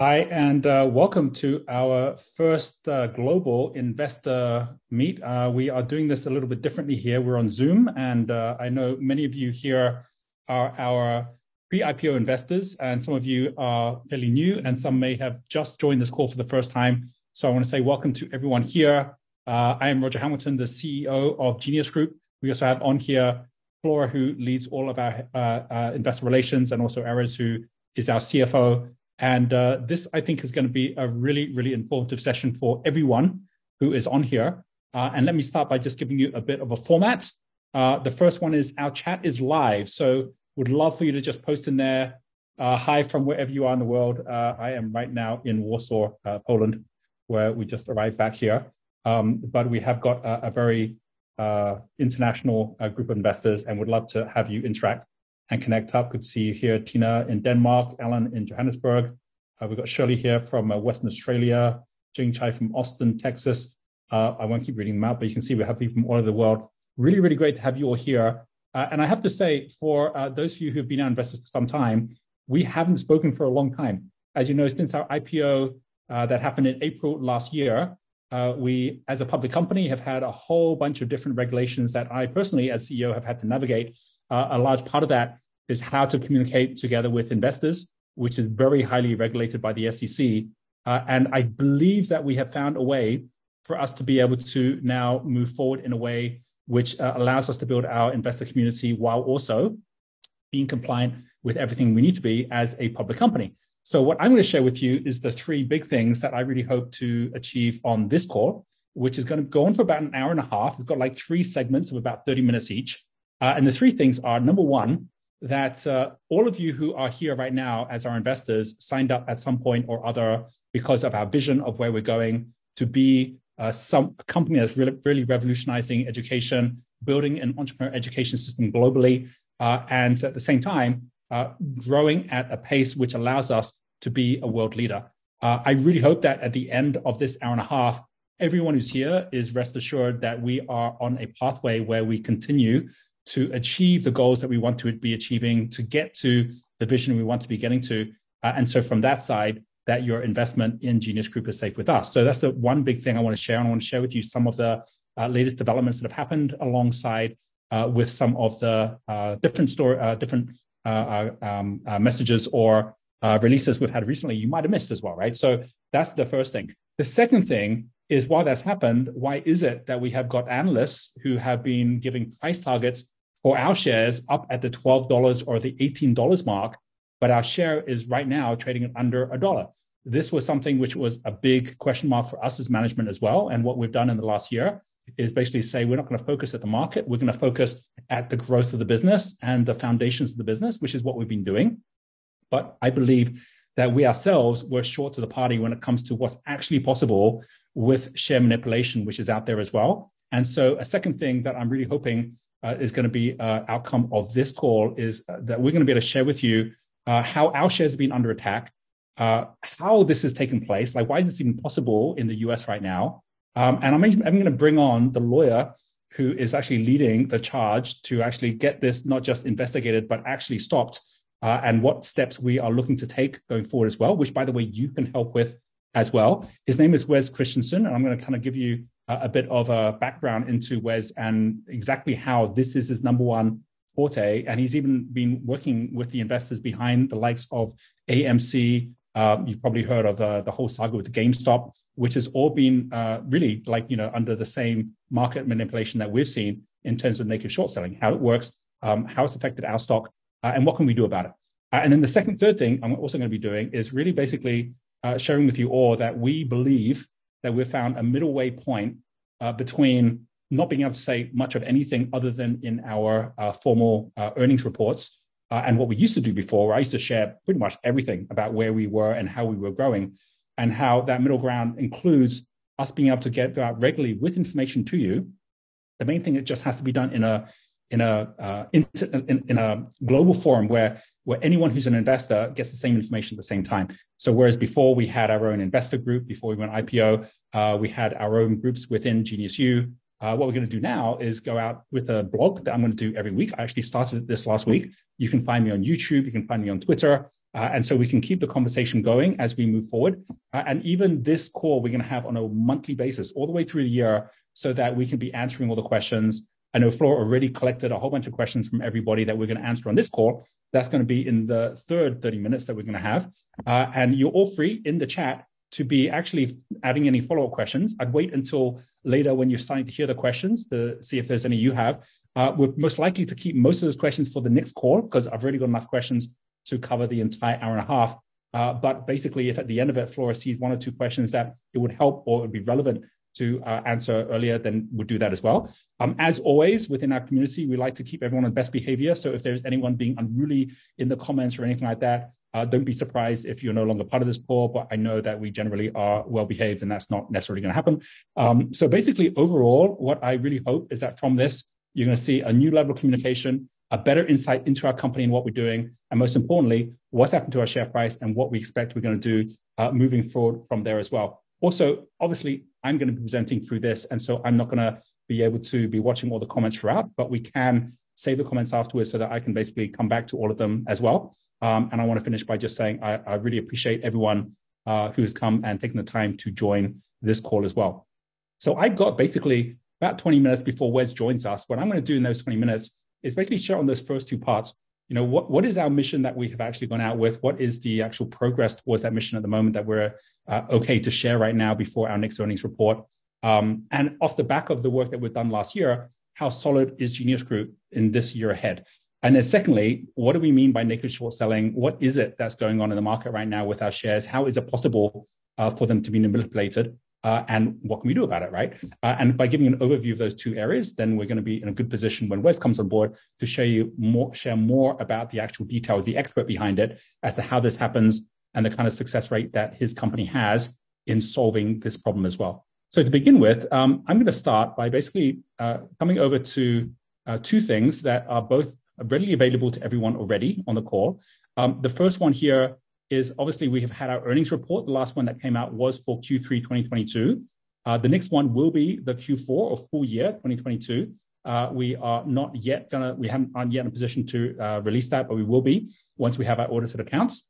Hi, and welcome to our first Global Investor Meet. We are doing this a little bit differently here. We're on Zoom, and I know many of you here are our pre-IPO investors, and some of you are fairly new, and some may have just joined this call for the first time. I wanna say welcome to everyone here. I am Roger Hamilton, the CEO of Genius Group. We also have on here Flora, who leads all of our investor relations, and also Erez, who is our CFO. This, I think, is gonna be a really, really informative session for everyone who is on here. Let me start by just giving you a bit of a format. The first one is our chat is live, would love for you to just post in there, hi, from wherever you are in the world. I am right now in Warsaw, Poland, where we just arrived back here. We have got a very international group of investors and would love to have you interact and connect up. Good to see you here, Tina in Denmark, Alan in Johannesburg. We've got Shirley here from Western Australia. Jing Chai from Austin, Texas. I won't keep reading them out, but you can see we have people from all over the world. Really, really great to have you all here. I have to say for those of you who've been our investors for some time, we haven't spoken for a long time. As you know, since our IPO, that happened in April last year, we as a public company have had a whole bunch of different regulations that I personally, as CEO, have had to navigate. A large part of that is how to communicate together with investors, which is very highly regulated by the SEC. I believe that we have found a way for us to be able to now move forward in a way which allows us to build our investor community while also being compliant with everything we need to be as a public company. What I'm gonna share with you is the three big things that I really hope to achieve on this call, which is gonna go on for about 1.5 hours. It's got three segments of about 30 minutes each. The three things are, number one, that all of you who are here right now as our investors signed up at some point or other because of our vision of where we're going to be, a company that's really revolutionizing education, building an entrepreneur education system globally, and at the same time, growing at a pace which allows us to be a world leader. I really hope that at the end of this 1.5 hours, everyone who's here is rest assured that we are on a pathway where we continue to achieve the goals that we want to be achieving to get to the vision we want to be getting to. From that side, that your investment in Genius Group is safe with us. That's the one big thing I wanna share, and I wanna share with you some of the latest developments that have happened alongside with some of the different messages or releases we've had recently you might have missed as well, right? That's the first thing. The second thing is why that's happened. Why is it that we have got analysts who have been giving price targets for our shares up at the $12 or the $18 mark, but our share is right now trading at under $1? This was something which was a big question mark for us as management as well, and what we've done in the last year is basically say we're not gonna focus at the market. We're gonna focus at the growth of the business and the foundations of the business, which is what we've been doing. I believe that we ourselves were short to the party when it comes to what's actually possible with share manipulation, which is out there as well. A second thing that I'm really hoping is gonna be a outcome of this call is that we're gonna be able to share with you how our share has been under attack, how this has taken place, like why is this even possible in the U.S. right now? I'm even gonna bring on the lawyer who is actually leading the charge to actually get this not just investigated, but actually stopped, and what steps we are looking to take going forward as well, which by the way, you can help with as well. His name is Wes Christian, and I'm gonna kinda give you a bit of a background into Wes and exactly how this is his number one forte, and he's even been working with the investors behind the likes of AMC. You've probably heard of the whole saga with GameStop, which has all been really like, you know, under the same market manipulation that we've seen in terms of naked short selling, how it works, how it's affected our stock, and what can we do about it? The second, third thing I'm also gonna be doing is really basically, sharing with you all that we believe that we've found a middle way point, between not being able to say much of anything other than in our formal earnings reports, and what we used to do before, where I used to share pretty much everything about where we were and how we were growing, and how that middle ground includes us being able to go out regularly with information to you. The main thing, it just has to be done in a global forum where anyone who's an investor gets the same information at the same time. Whereas before we had our own investor group, before we went IPO, we had our own groups within GeniusU, what we're gonna do now is go out with a blog that I'm gonna do every week. I actually started this last week. You can find me on YouTube, you can find me on Twitter, we can keep the conversation going as we move forward. Even this call we're gonna have on a monthly basis all the way through the year so that we can be answering all the questions. I know Flora already collected a whole bunch of questions from everybody that we're gonna answer on this call. That's gonna be in the third 30 minutes that we're gonna have. You're all free in the chat to be actually adding any follow-up questions. I'd wait until later when you're starting to hear the questions to see if there's any you have. We're most likely to keep most of those questions for the next call 'cause I've already got enough questions to cover the entire 1.5 hours. Basically, if at the end of it, Flora sees 1 or 2 questions that it would help or it would be relevant to answer earlier, then we'll do that as well. As always, within our community, we like to keep everyone on best behavior, so if there's anyone being unruly in the comments or anything like that, don't be surprised if you're no longer part of this call, but I know that we generally are well-behaved, and that's not necessarily going to happen. Basically, overall, what I really hope is that from this you're gonna see a new level of communication, a better insight into our company and what we're doing, and most importantly, what's happened to our share price and what we expect we're gonna do moving forward from there as well. Also, obviously, I'm gonna be presenting through this, and so I'm not gonna be able to be watching all the comments throughout, but we can save the comments afterwards so that I can basically come back to all of them as well. I wanna finish by just saying I really appreciate everyone who has come and taken the time to join this call as well. So I got basically about 20 minutes before Wes joins us. What I'm gonna do in those 20 minutes is basically share on those first two parts, you know, what is our mission that we have actually gone out with? What is the actual progress towards that mission at the moment that we're okay to share right now before our next earnings report? Off the back of the work that we've done last year, how solid is Genius Group in this year ahead? Secondly, what do we mean by naked short selling? What is it that's going on in the market right now with our shares? How is it possible for them to be manipulated, and what can we do about it, right? By giving an overview of those two areas, then we're going to be in a good position when Wes comes on board to share more about the actual details, the expert behind it, as to how this happens and the kind of success rate that his company has in solving this problem as well. To begin with, I'm gonna start by basically coming over to two things that are both readily available to everyone already on the call. The first one here is obviously we have had our earnings report. The last one that came out was for Q3 2022. The next one will be the Q4 or full year 2022. We aren't yet in a position to release that, but we will be once we have our audited accounts.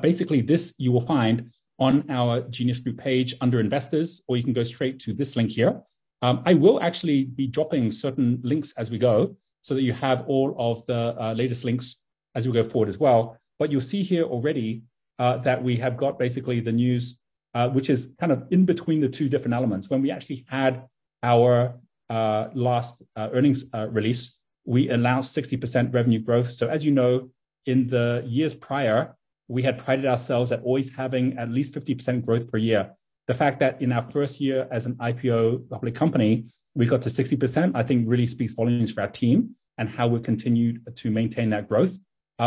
Basically this you will find on our Genius Group page under Investors, or you can go straight to this link here. I will actually be dropping certain links as we go so that you have all of the latest links as we go forward as well. You'll see here already that we have got basically the news which is kind of in between the two different elements. When we actually had our last earnings release, we announced 60% revenue growth. As you know, in the years prior, we had prided ourselves at always having at least 50% growth per year. The fact that in our first year as an IPO public company, we got to 60%, I think really speaks volumes for our team and how we've continued to maintain that growth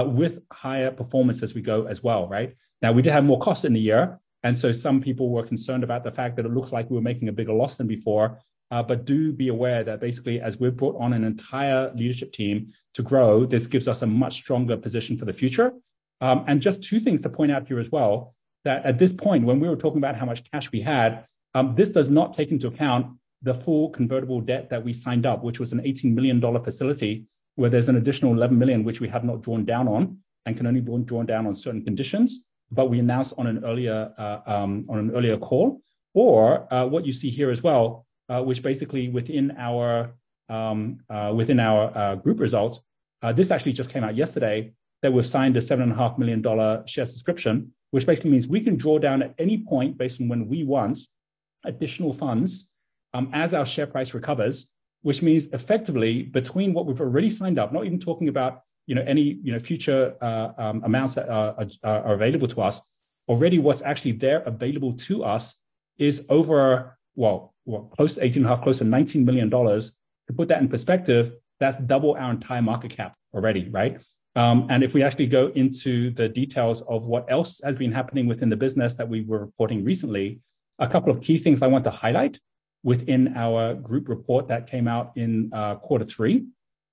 with higher performance as we go as well. Right? We did have more costs in the year, some people were concerned about the fact that it looks like we were making a bigger loss than before. Do be aware that basically as we've brought on an entire leadership team to grow, this gives us a much stronger position for the future. Just two things to point out to you as well, that at this point when we were talking about how much cash we had, this does not take into account the full convertible debt that we signed up, which was a $18 million facility where there's an additional $11 million, which we have not drawn down on and can only drawn down on certain conditions. We announced on an earlier call or what you see here as well, which basically within our within our Group results, this actually just came out yesterday, that we've signed $7.5 million share subscription, which basically means we can draw down at any point based on when we want additional funds as our share price recovers, which means effectively between what we've already signed up, not even talking about, you know, any, you know, future amounts that are available to us. Already, what's actually there available to us is over close to $18.5 million, close to $19 million. To put that in perspective, that's double our entire market cap already, right? If we actually go into the details of what else has been happening within the business that we were reporting recently, a couple of key things I want to highlight within our group report that came out in quarter three,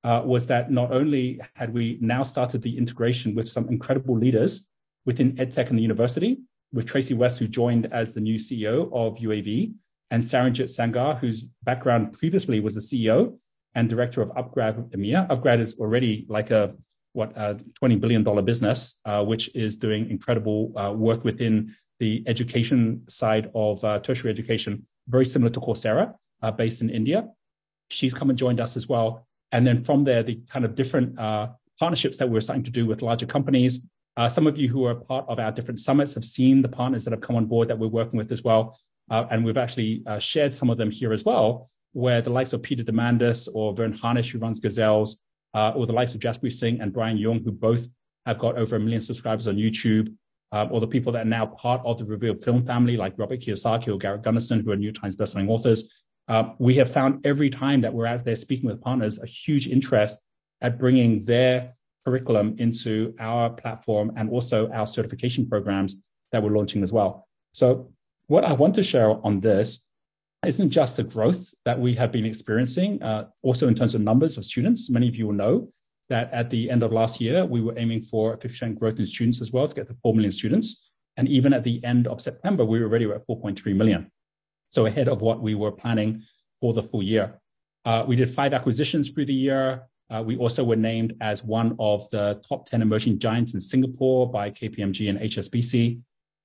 was that not only had we now started the integration with some incredible leaders within EdTech and the university with Tracy West, who joined as the new CEO of UAV, and Saranjit Sangar, whose background previously was the CEO and Director of upGrad EMEA. upGrad is already like a, what, a $20 billion business, which is doing incredible work within the education side of tertiary education, very similar to Coursera, based in India. She's come and joined us as well. Then from there, the kind of different partnerships that we're starting to do with larger companies. Some of you who are part of our different summits have seen the partners that have come on board that we're working with as well. And we've actually shared some of them here as well, where the likes of Peter Diamandis or Verne Harnish, who runs Gazelles, or the likes of Jaspreet Singh and Brian Jung, who both have got over 1 million subscribers on YouTube, or the people that are now part of the Revealed Films family like Robert Kiyosaki or Garrett Gunderson, who are The New York Times bestselling authors. We have found every time that we're out there speaking with partners, a huge interest at bringing their curriculum into our platform and also our certification programs that we're launching as well. What I want to share on this isn't just the growth that we have been experiencing, also in terms of numbers of students. Many of you will know that at the end of last year, we were aiming for a 50% growth in students as well to get to 4 million students. Even at the end of September, we were already at 4.3 million, so ahead of what we were planning for the full year. We did five acquisitions through the year. We also were named as one of the top 10 emerging giants in Singapore by KPMG and HSBC.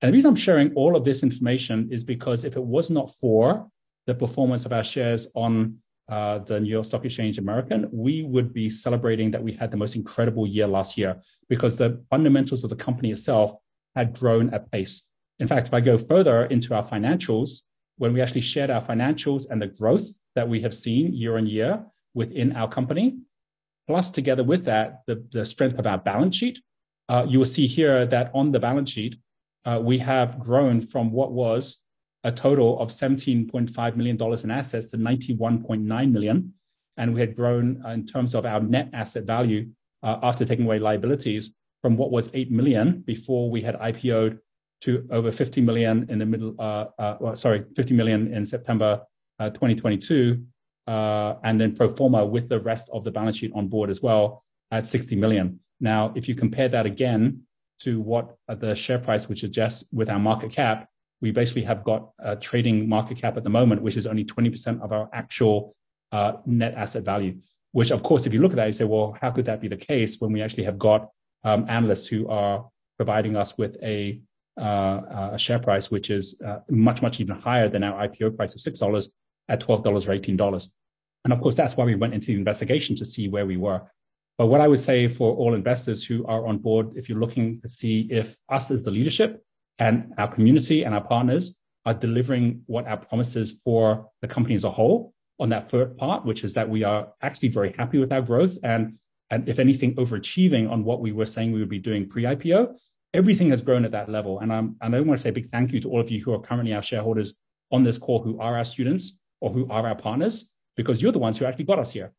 The reason I'm sharing all of this information is because if it was not for the performance of our shares on the New York Stock Exchange American, we would be celebrating that we had the most incredible year last year because the fundamentals of the company itself had grown apace. In fact, if I go further into our financials, when we actually shared our financials and the growth that we have seen year on year within our company, plus together with that, the strength of our balance sheet, you will see here that on the balance sheet, we have grown from what was a total of $17.5 million in assets to $91.9 million. We had grown in terms of our net asset value, after taking away liabilities from what was $8 million before we had IPO'd to over $50 million in September 2022, and then pro forma with the rest of the balance sheet on board as well at $60 million. Now, if you compare that again to what the share price, which adjusts with our market cap, we basically have got a trading market cap at the moment, which is only 20% of our actual net asset value, which of course if you look at that and say, "Well, how could that be the case when we actually have got analysts who are providing us with a share price, which is much, much even higher than our IPO price of $6 at $12 or $18?" That's why we went into the investigation to see where we were. What I would say for all investors who are on board, if you're looking to see if us as the leadership and our community and our partners are delivering what our promises for the company as a whole on that third part, which is that we are actually very happy with our growth and, if anything, overachieving on what we were saying we would be doing pre-IPO. Everything has grown at that level. And I want to say a big thank you to all of you who are currently our shareholders on this call who are our students or who are our partners, because you're the ones who actually got us here.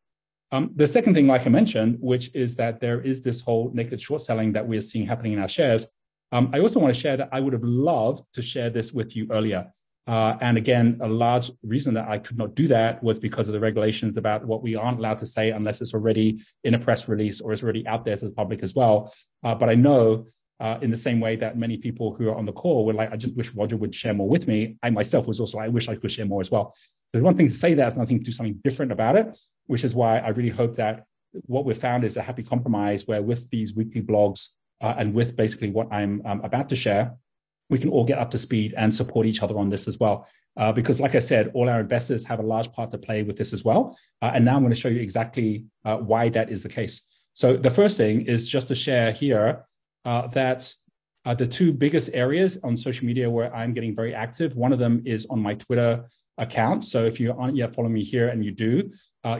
The second thing, like I mentioned, which is that there is this whole naked short selling that we are seeing happening in our shares. I also want to share that I would have loved to share this with you earlier. A large reason that I could not do that was because of the regulations about what we aren't allowed to say unless it's already in a press release or is already out there to the public as well. I know, in the same way that many people who are on the call were like, "I just wish Roger would share more with me," I myself was also, I wish I could share more as well. One thing to say that is nothing to do something different about it, which is why I really hope that what we've found is a happy compromise where with these weekly blogs, and with basically what I'm about to share, we can all get up to speed and support each other on this as well. Because like I said, all our investors have a large part to play with this as well. Now I'm going to show you exactly why that is the case. The first thing is just to share here that the two biggest areas on social media where I'm getting very active, one of them is on my Twitter account. If you aren't yet following me here and you do,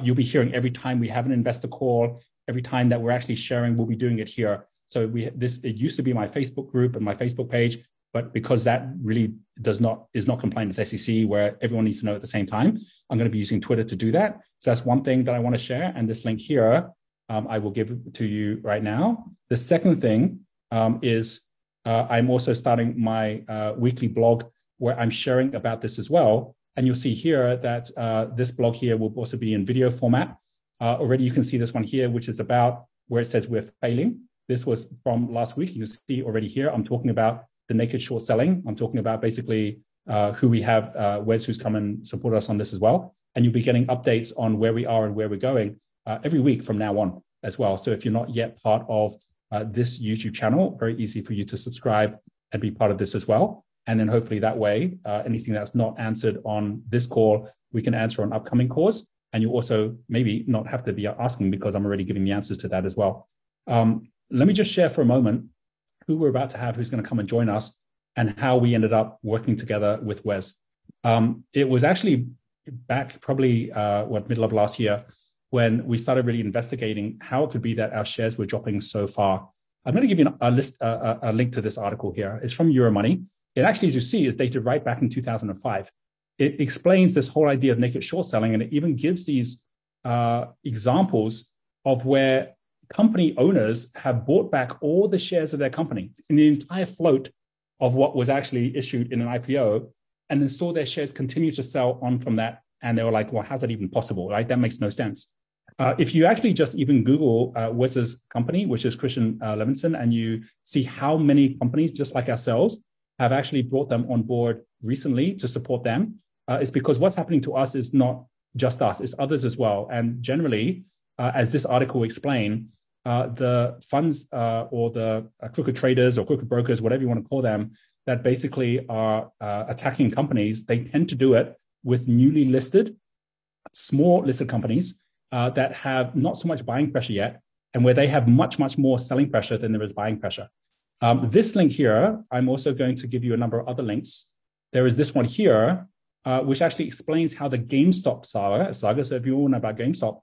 you'll be hearing every time we have an investor call, every time that we're actually sharing, we'll be doing it here. It used to be my Facebook group and my Facebook page. Because that really is not compliant with SEC, where everyone needs to know at the same time, I'm going to be using Twitter to do that. That's one thing that I want to share. This link here, I will give to you right now. The second thing is I'm also starting my weekly blog where I'm sharing about this as well. You'll see here that this blog here will also be in video format. Already you can see this one here, which is about where it says we're failing. This was from last week. You see already here I'm talking about the naked short selling. I'm talking about basically, who we have, Wes, who's come and support us on this as well. You'll be getting updates on where we are and where we're going, every week from now on as well. If you're not yet part of this YouTube channel, very easy for you to subscribe and be part of this as well. Hopefully that way, anything that's not answered on this call, we can answer on upcoming calls. You also maybe not have to be asking because I'm already giving the answers to that as well. Let me just share for a moment who we're about to have, who's going to come and join us, and how we ended up working together with Wes. It was actually back probably, what, middle of last year when we started really investigating how it could be that our shares were dropping so far. I'm going to give you a link to this article here. It's from Euromoney. It actually, as you see, is dated right back in 2005. It explains this whole idea of naked short selling, and it even gives these examples of where company owners have bought back all the shares of their company in the entire float of what was actually issued in an IPO and then saw their shares continue to sell on from that, and they were like, "Well, how's that even possible?" Right? That makes no sense. If you actually just even Google Wes's company, which is Christian Levine Law Group, and you see how many companies just like ourselves have actually brought them on board recently to support them, it's because what's happening to us is not just us, it's others as well. Generally, as this article will explain, the funds, or the crooked traders or crooked brokers, whatever you want to call them, that basically are attacking companies, they tend to do it with newly listed, small listed companies that have not so much buying pressure yet, and where they have much, much more selling pressure than there is buying pressure. This link here, I'm also going to give you a number of other links. There is this one here, which actually explains how the GameStop saga, so if you all know about GameStop,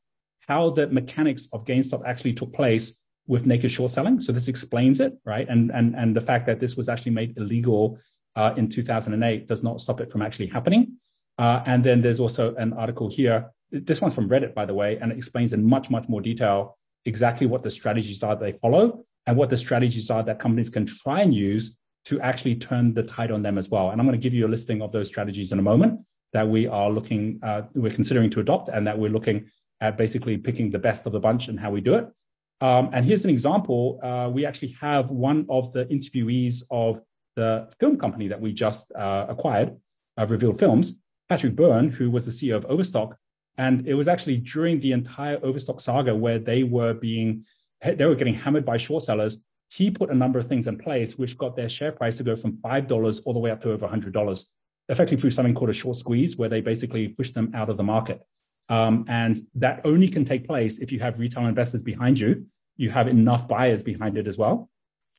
how the mechanics of GameStop actually took place with naked short selling. This explains it, right. The fact that this was actually made illegal in 2008 does not stop it from actually happening. There's also an article here. This one's from Reddit, by the way, and it explains in much, much more detail exactly what the strategies are they follow and what the strategies are that companies can try and use to actually turn the tide on them as well. I'm going to give you a listing of those strategies in a moment that we are looking, we're considering to adopt and that we're looking at basically picking the best of the bunch and how we do it. Here's an example. We actually have one of the interviewees of the film company that we just acquired, of Reveal Films, Patrick Byrne, who was the CEO of Overstock. It was actually during the entire Overstock saga where they were getting hammered by short sellers. He put a number of things in place which got their share price to go from $5 all the way up to over $100, effectively through something called a short squeeze, where they basically pushed them out of the market. That only can take place if you have retail investors behind you have enough buyers behind it as well,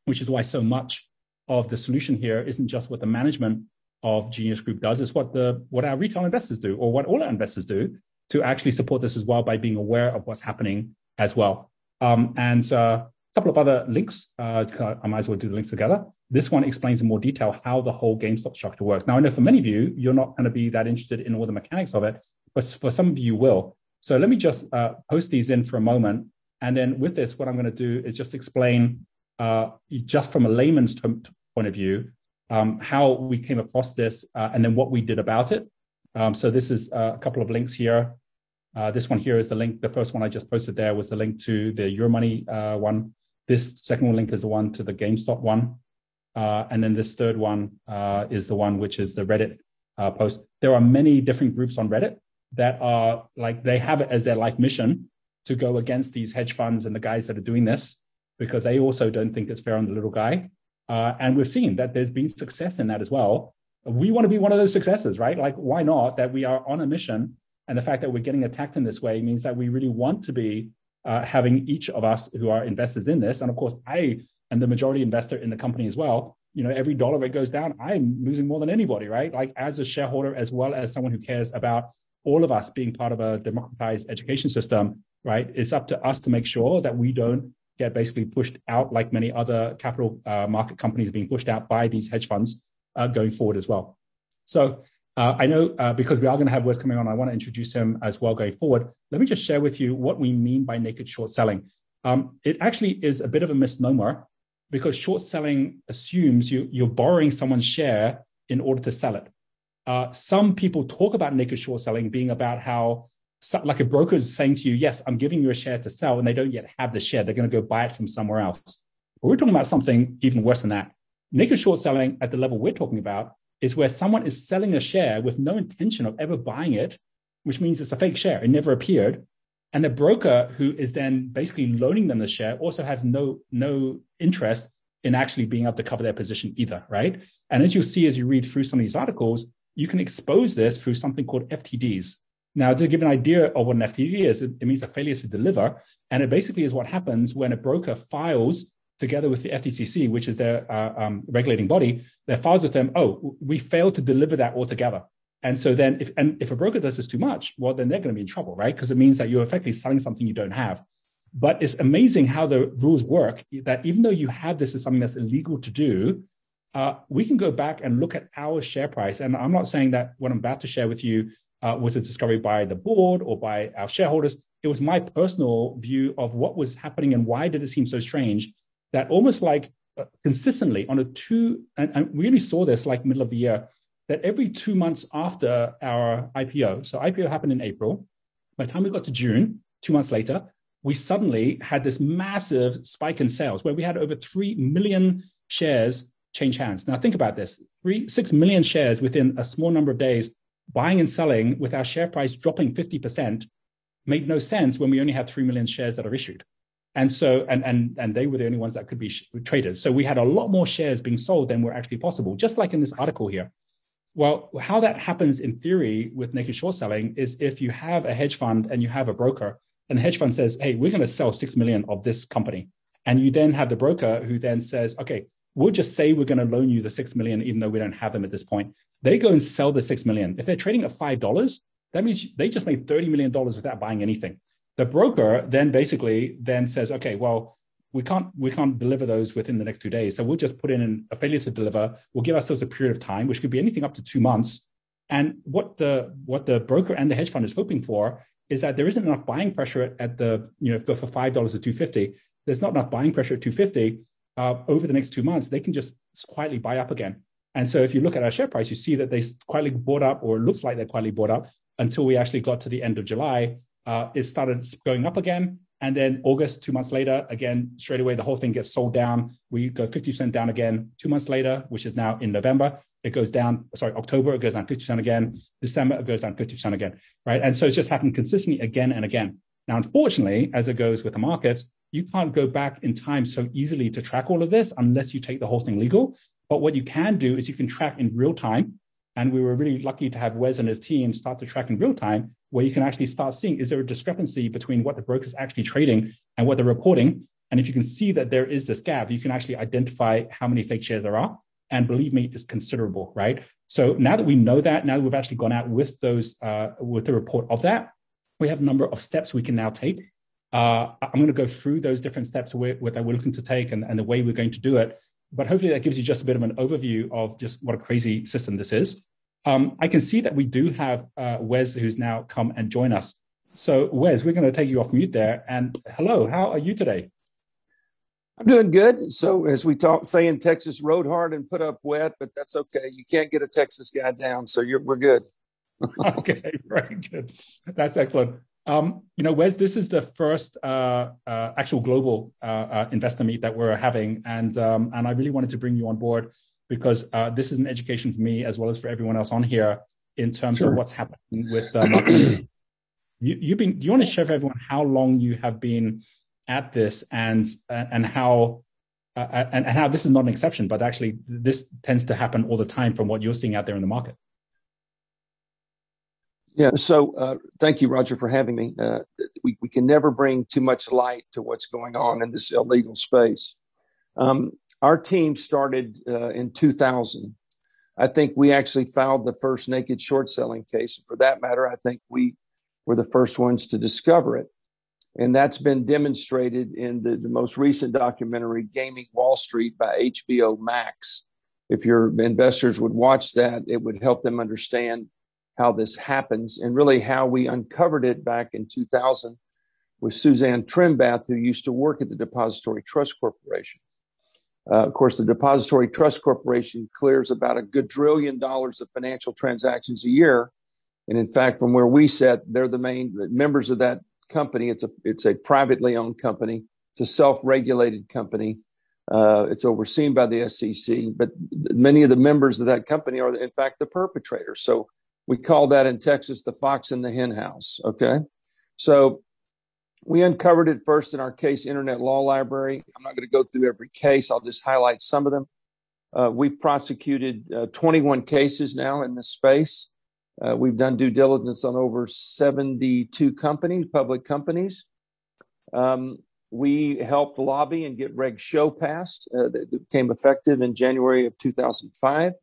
which is why so much of the solution here isn't just what the management of Genius Group does, it's what our retail investors do or what all our investors do to actually support this as well by being aware of what's happening as well. A couple of other links, I might as well do the links together. This one explains in more detail how the whole GameStop structure works. I know for many of you're not going to be that interested in all the mechanics of it, but for some of you will. Let me just post these in for a moment. With this, what I'm going to do is just explain, just from a layman's point of view, how we came across this, and then what we did about it. This is a couple of links here. This one here is the link. The first one I just posted there was the link to the Euromoney one. This second link is the one to the GameStop one. This third one is the one which is the Reddit post. There are many different groups on Reddit that like, they have it as their life mission to go against these hedge funds and the guys that are doing this because they also don't think it's fair on the little guy. We've seen that there's been success in that as well. We wanna be one of those successes, right? Like, why not? That we are on a mission, and the fact that we're getting attacked in this way means that we really want to be, having each of us who are investors in this. Of course, I am the majority investor in the company as well. You know, every dollar that goes down, I am losing more than anybody, right? Like, as a shareholder as well as someone who cares about all of us being part of a democratized education system, right? It's up to us to make sure that we don't get basically pushed out like many other capital, market companies are being pushed out by these hedge funds, going forward as well. I know, because we are gonna have Wes coming on, I wanna introduce him as well going forward. Let me just share with you what we mean by naked short selling. It actually is a bit of a misnomer because short selling assumes you're borrowing someone's share in order to sell it. Some people talk about naked short selling being about how a broker is saying to you, "Yes, I'm giving you a share to sell," and they don't yet have the share. They're gonna go buy it from somewhere else. We're talking about something even worse than that. Naked short selling at the level we're talking about is where someone is selling a share with no intention of ever buying it, which means it's a fake share. It never appeared. The broker who is then basically loaning them the share also has no interest in actually being able to cover their position either, right? As you'll see as you read through some of these articles, you can expose this through something called FTDs. To give an idea of what an FTD is, it means a failure to deliver, and it basically is what happens when a broker files together with the DTCC, which is their regulating body, they file with them, "Oh, we failed to deliver that altogether." If a broker does this too much, well, then they're gonna be in trouble, right? 'Cause it means that you're effectively selling something you don't have. It's amazing how the rules work that even though you have this as something that's illegal to do, we can go back and look at our share price. I'm not saying that what I'm about to share with you, was a discovery by the board or by our shareholders. It was my personal view of what was happening and why did it seem so strange that almost like, consistently, we only saw this, like, middle of the year, that every two months after our IPO, so IPO happened in April. By the time we got to June, two months later, we suddenly had this massive spike in sales where we had over 3 million shares change hands. Now think about this, 6 million shares within a small number of days buying and selling with our share price dropping 50% made no sense when we only had 3 million shares that are issued. They were the only ones that could be traded. We had a lot more shares being sold than were actually possible, just like in this article here. How that happens in theory with naked short selling is if you have a hedge fund and you have a broker, and the hedge fund says, "Hey, we're gonna sell $6 million of this company." You then have the broker who then says, "Okay, we'll just say we're gonna loan you the $6 million even though we don't have them at this point." They go and sell the $6 million. If they're trading at $5, that means they just made $30 million without buying anything. The broker then basically then says, "Okay, we can't deliver those within the next two days, so we'll just put in a Failure to deliver. We'll give ourselves a period of time, which could be anything up to two months." What the broker and the hedge fund is hoping for is that there isn't enough buying pressure at the, if it go for $5 or $2.50, there's not enough buying pressure at $2.50 over the next two months, they can just quietly buy up again. If you look at our share price, you see that they quietly bought up, or it looks like they quietly bought up until we actually got to the end of July. It started going up again. August, two months later, again, straight away the whole thing gets sold down. We go 50% down again. Two months later, which is now in November, it goes down. Sorry, October, it goes down 50% again. December, it goes down 50% again, right? It's just happened consistently again and again. Unfortunately, as it goes with the markets, you can't go back in time so easily to track all of this unless you take the whole thing legal. What you can do is you can track in real time, and we were really lucky to have Wes and his team start to track in real time, where you can actually start seeing is there a discrepancy between what the broker's actually trading and what they're reporting. If you can see that there is this gap, you can actually identify how many fake shares there are. Believe me, it's considerable, right? Now that we know that, now that we've actually gone out with those, with the report of that, we have a number of steps we can now take. I'm gonna go through those different steps we're looking to take and the way we're going to do it, hopefully, that gives you just a bit of an overview of just what a crazy system this is. I can see that we do have Wes who's now come and join us. Wes, we're gonna take you off mute there. Hello, how are you today? I'm doing good. As we say in Texas, "rode hard and put up wet," that's okay. You can't get a Texas guy down, we're good. Okay. Right. Good. That's excellent. You know, Wes, this is the first actual Global Investor Meet that we're having, and I really wanted to bring you on board because this is an education for me as well as for everyone else on herein terms of what's happening with. Do you wanna share with everyone how long you have been at this and how this is not an exception, but actually this tends to happen all the time from what you're seeing out there in the market? Yeah. Thank you, Roger, for having me. We can never bring too much light to what's going on in this illegal space. Our team started in 2000. I think we actually filed the first naked short selling case. For that matter, I think we were the first ones to discover it, and that's been demonstrated in the most recent documentary, Gaming Wall Street, by HBO Max. If your investors would watch that, it would help them understand how this happens and really how we uncovered it back in 2000 with Susanne Trimbath, who used to work at the Depository Trust Corporation. Of course, the Depository Trust Corporation clears about a good $1 trillion of financial transactions a year. In fact from where we sit, they're the main... The members of that company, it's a privately owned company, it's a self-regulated company. It's overseen by the SEC, many of the members of that company are in fact the perpetrators. We call that in Texas, the fox in the henhouse. Okay? We uncovered it first in our case, Internet Law Library. I'm not gonna go through every case, I'll just highlight some of them. We've prosecuted 21 cases now in this space. We've done due diligence on over 72 companies, public companies. We helped lobby and get Reg SHO passed, that became effective in January of 2005.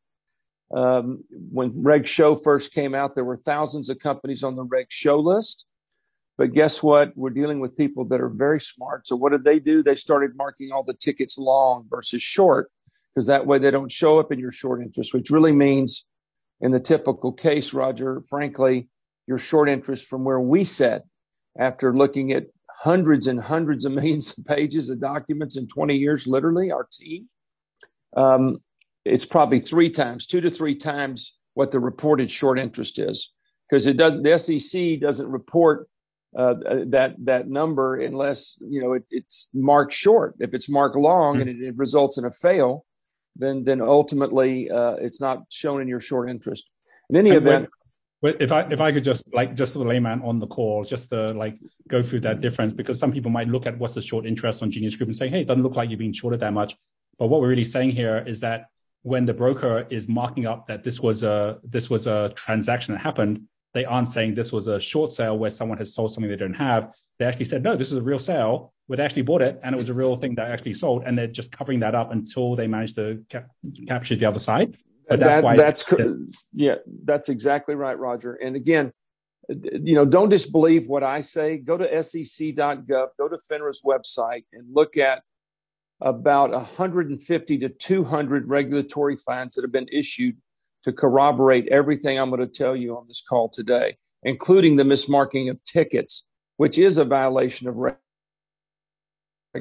When Reg SHO first came out, there were thousands of companies on the Reg SHO list. Guess what? We're dealing with people that are very smart. What did they do? They started marking all the tickets long versus short, 'cause that way they don't show up in your short interest, which really means in the typical case, Roger, frankly, your short interest from where we sit after looking at hundreds and hundreds of millions of pages of documents in 20 years, literally our team, it's probably 3 times, 2-3 times what the reported short interest is. 'Cause the SEC doesn't report that number unless, you know, it's marked short. If it's marked long and it results in a fail, then ultimately, it's not shown in your short interest. Many of them- If I could just, like, just for the layman on the call, just to like go through that difference because some people might look at what's the short interest on Genius Group and say, "Hey, it doesn't look like you're being shorted that much." What we're really saying here is that when the broker is marking up that this was a, this was a transaction that happened, they aren't saying this was a short sale where someone has sold something they don't have. They actually said, "No, this is a real sale. We've actually bought it, and it was a real thing that actually sold," and they're just covering that up until they manage to capture the other side. That's why... Yeah, that's exactly right, Roger. Again, you know, don't just believe what I say. Go to sec.gov, go to FINRA's website and look at about 150-200 regulatory fines that have been issued to corroborate everything I'm gonna tell you on this call today, including the mismarking of tickets, which is a violation of Reg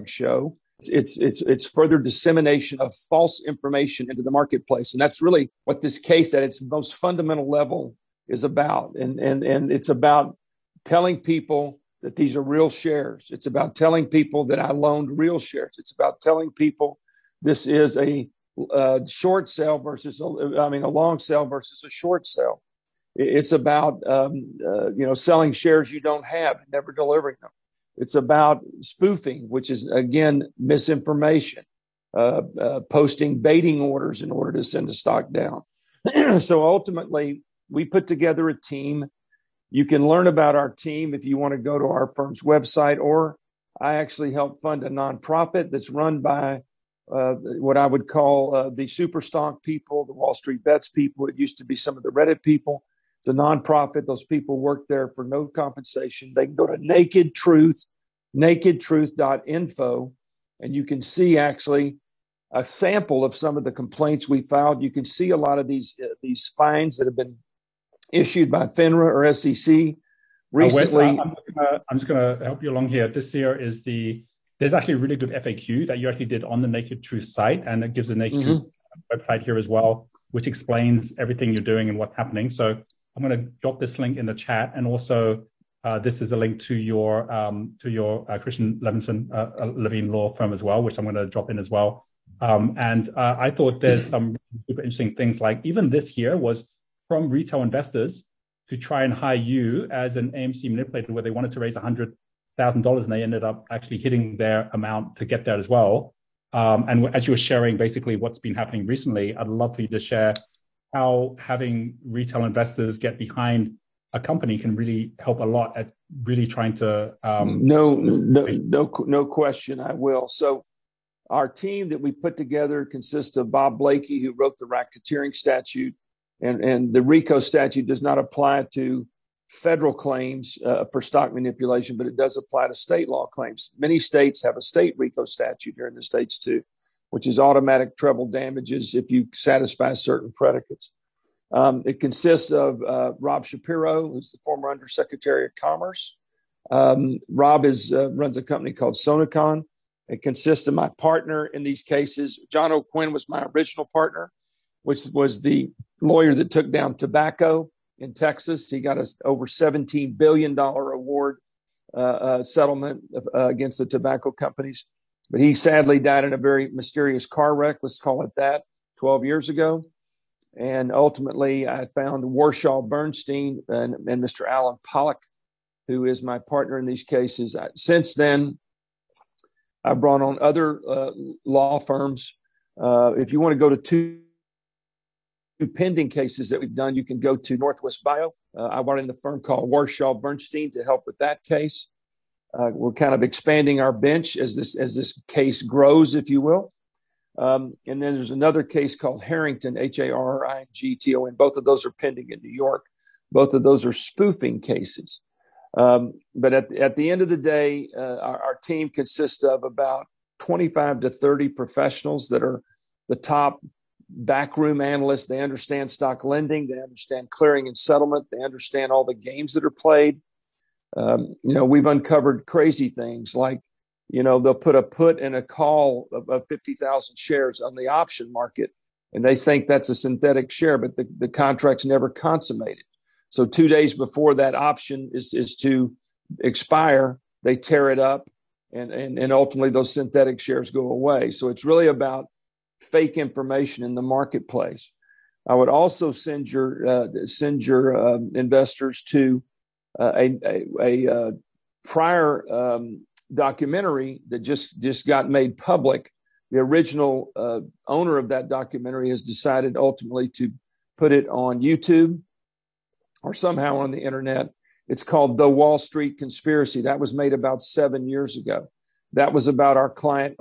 SHO. It's further dissemination of false information into the marketplace, and that's really what this case at its most fundamental level is about. It's about telling people that these are real shares. It's about telling people that I loaned real shares. It's about telling people this is a short sale versus a, I mean a long sale versus a short sale. It's about, you know, selling shares you don't have and never delivering them. It's about spoofing, which is again, misinformation. Posting baiting orders in order to send a stock down. Ultimately we put together a team. You can learn about our team if you want to go to our firm's website or I actually help fund a nonprofit that's run by what I would call the super stock people, the WallStreetBets people. It used to be some of the Reddit people. It's a nonprofit. Those people work there for no compensation. They can go to Naked Truth, nakedtruth.info, and you can see actually a sample of some of the complaints we filed. You can see a lot of these fines that have been issued by FINRA or SEC recently. Now wait, I'm just gonna help you along here. This here is there's actually a really good FAQ that you actually did on the Naked Truth site, and it gives the Naked Truth website here as well, which explains everything you're doing and what's happening. I'm gonna drop this link in the chat and also, this is a link to your, to your Christian Levine Law Group as well, which I'm gonna drop in as well. I thought there's some super interesting things like even this here was from retail investors to try and hire you as an AMC manipulator where they wanted to raise $100,000 and they ended up actually hitting their amount to get there as well. As you were sharing basically what's been happening recently, I'd love for you to share how having retail investors get behind a company can really help a lot at really trying to- No, no question, I will. Our team that we put together consists of Bob Blakey, who wrote the Racketeering statute. The RICO statute does not apply to federal claims for stock manipulation, but it does apply to state law claims. Many states have a state RICO statute here in the States too, which is automatic treble damages if you satisfy certain predicates. It consists of Rob Shapiro, who's the former Under Secretary of Commerce. Rob runs a company called Sonecon. It consists of my partner in these cases. John O'Quinn was my original partner, which was the lawyer that took down tobacco in Texas. He got us over $17 billion award settlement of against the tobacco companies. He sadly died in a very mysterious car wreck, let's call it that, 12 years ago. Ultimately, I found Warshaw Burstein and Mr. Alan Pollack, who is my partner in these cases. Since then, I've brought on other law firms. If you wanna go to two pending cases that we've done, you can go to Northwest Bio. I brought in the firm called Warshaw Burstein to help with that case. We're kind of expanding our bench as this case grows, if you will. There's another case called Harrington, H-A-R-R-I-N-G-T-O-N. Both of those are pending in New York. Both of those are spoofing cases. At the end of the day, our team consists of about 25-30 professionals that are the top backroom analysts. They understand stock lending. They understand clearing and settlement. They understand all the games that are played. You know, we've uncovered crazy things like, you know, they'll put a put and a call of 50,000 shares on the option market, and they think that's a synthetic share, but the contract's never consummated. Two days before that option is to expire, they tear it up and ultimately those synthetic shares go away. It's really about fake information in the marketplace. I would also send your investors to a prior documentary that just got made public. The original owner of that documentary has decided ultimately to put it on YouTube or somehow on the internet. It's called The Wall Street Conspiracy. That was made about 7 years ago. That was about our client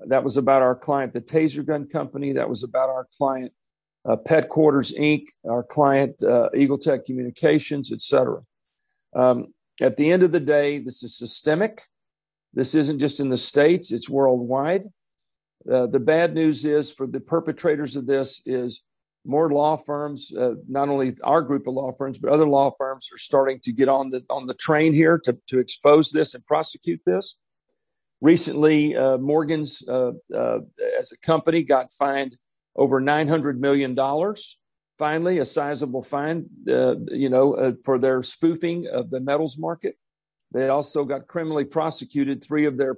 Overstock.com. That was about our client, the Taser Gun company, that was about our client, Pet Quarters Inc, our client, Eagle Tech Communications, etc. At the end of the day, this is systemic. This isn't just in the States, it's worldwide. The bad news is for the perpetrators of this is more law firms, not only our group of law firms, but other law firms are starting to get on the train here to expose this and prosecute this. Recently, JPMorgan, as a company got fined over $900 million, finally a sizable fine, you know, for their spoofing of the metals market. They also got criminally prosecuted, three of their,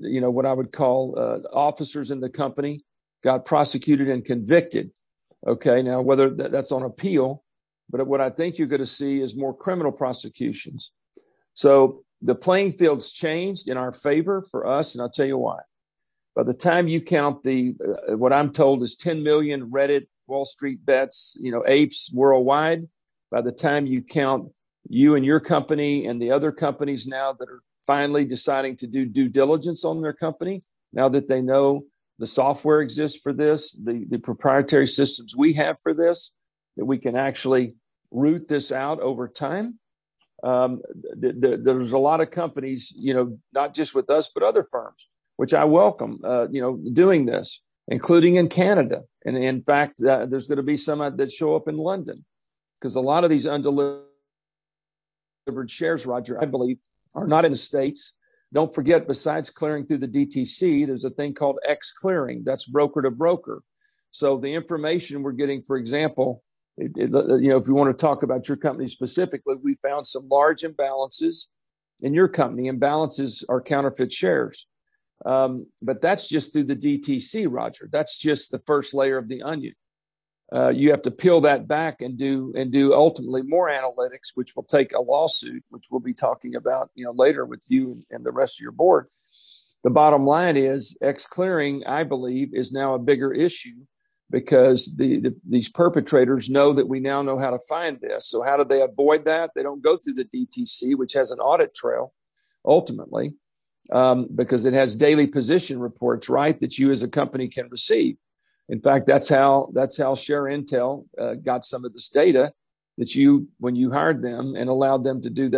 you know, what I would call, officers in the company got prosecuted and convicted. Okay. Now whether... That's on appeal, what I think you're gonna see is more criminal prosecutions. The playing field's changed in our favor for us, and I'll tell you why. By the time you count the 10 million Reddit WallStreetBets, you know, apes worldwide, by the time you count you and your company and the other companies now that are finally deciding to do due diligence on their company, now that they know the software exists for this, the proprietary systems we have for this, that we can actually root this out over time, there's a lot of companies, you know, not just with us, but other firms, which I welcome, doing this, including in Canada. In fact, there's gonna be some that show up in London 'cause a lot of these undelivered shares, Roger, I believe are not in the States. Don't forget, besides clearing through the DTC, there's a thing called ex-clearing that's broker to broker. The information we're getting, for example, you know, if you want to talk about your company specifically, we found some large imbalances in your company. Imbalances are counterfeit shares. That's just through the DTC, Roger. That's just the first layer of the onion. You have to peel that back and do ultimately more analytics, which will take a lawsuit, which we'll be talking about, you know, later with you and the rest of your board. The bottom line is ex-clearing, I believe, is now a bigger issue because these perpetrators know that we now know how to find this. How do they avoid that? They don't go through the DTC, which has an audit trail ultimately, because it has daily position reports, right, that you as a company can receive. In fact, that's how ShareIntel got some of this data that you, when you hired them and allowed them to do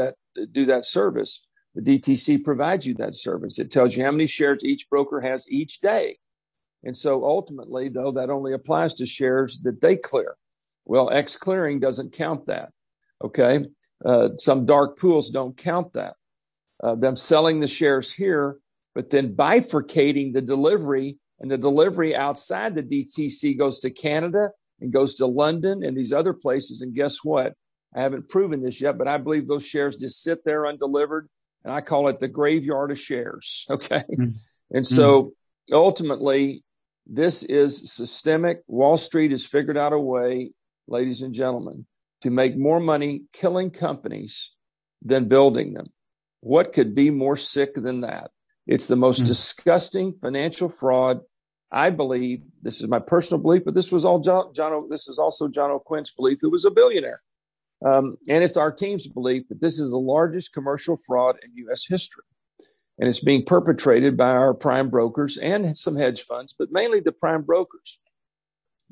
that service. The DTC provides you that service. It tells you how many shares each broker has each day. Ultimately though, that only applies to shares that they clear. Well, ex-clearing doesn't count that. Okay? Some dark pools don't count that. Them selling the shares here, but then bifurcating the delivery and the delivery outside the DTC goes to Canada and goes to London and these other places. Guess what? I haven't proven this yet, but I believe those shares just sit there undelivered, and I call it the graveyard of shares. Okay? Ultimately, this is systemic. Wall Street has figured out a way, ladies and gentlemen, to make more money killing companies than building them. What could be more sick than that? It's the most disgusting financial fraud I believe, this is my personal belief, but this was also John O'Quinn's belief, who was a billionaire. It's our team's belief that this is the largest commercial fraud in U.S. history, and it's being perpetrated by our prime brokers and some hedge funds, but mainly the prime brokers.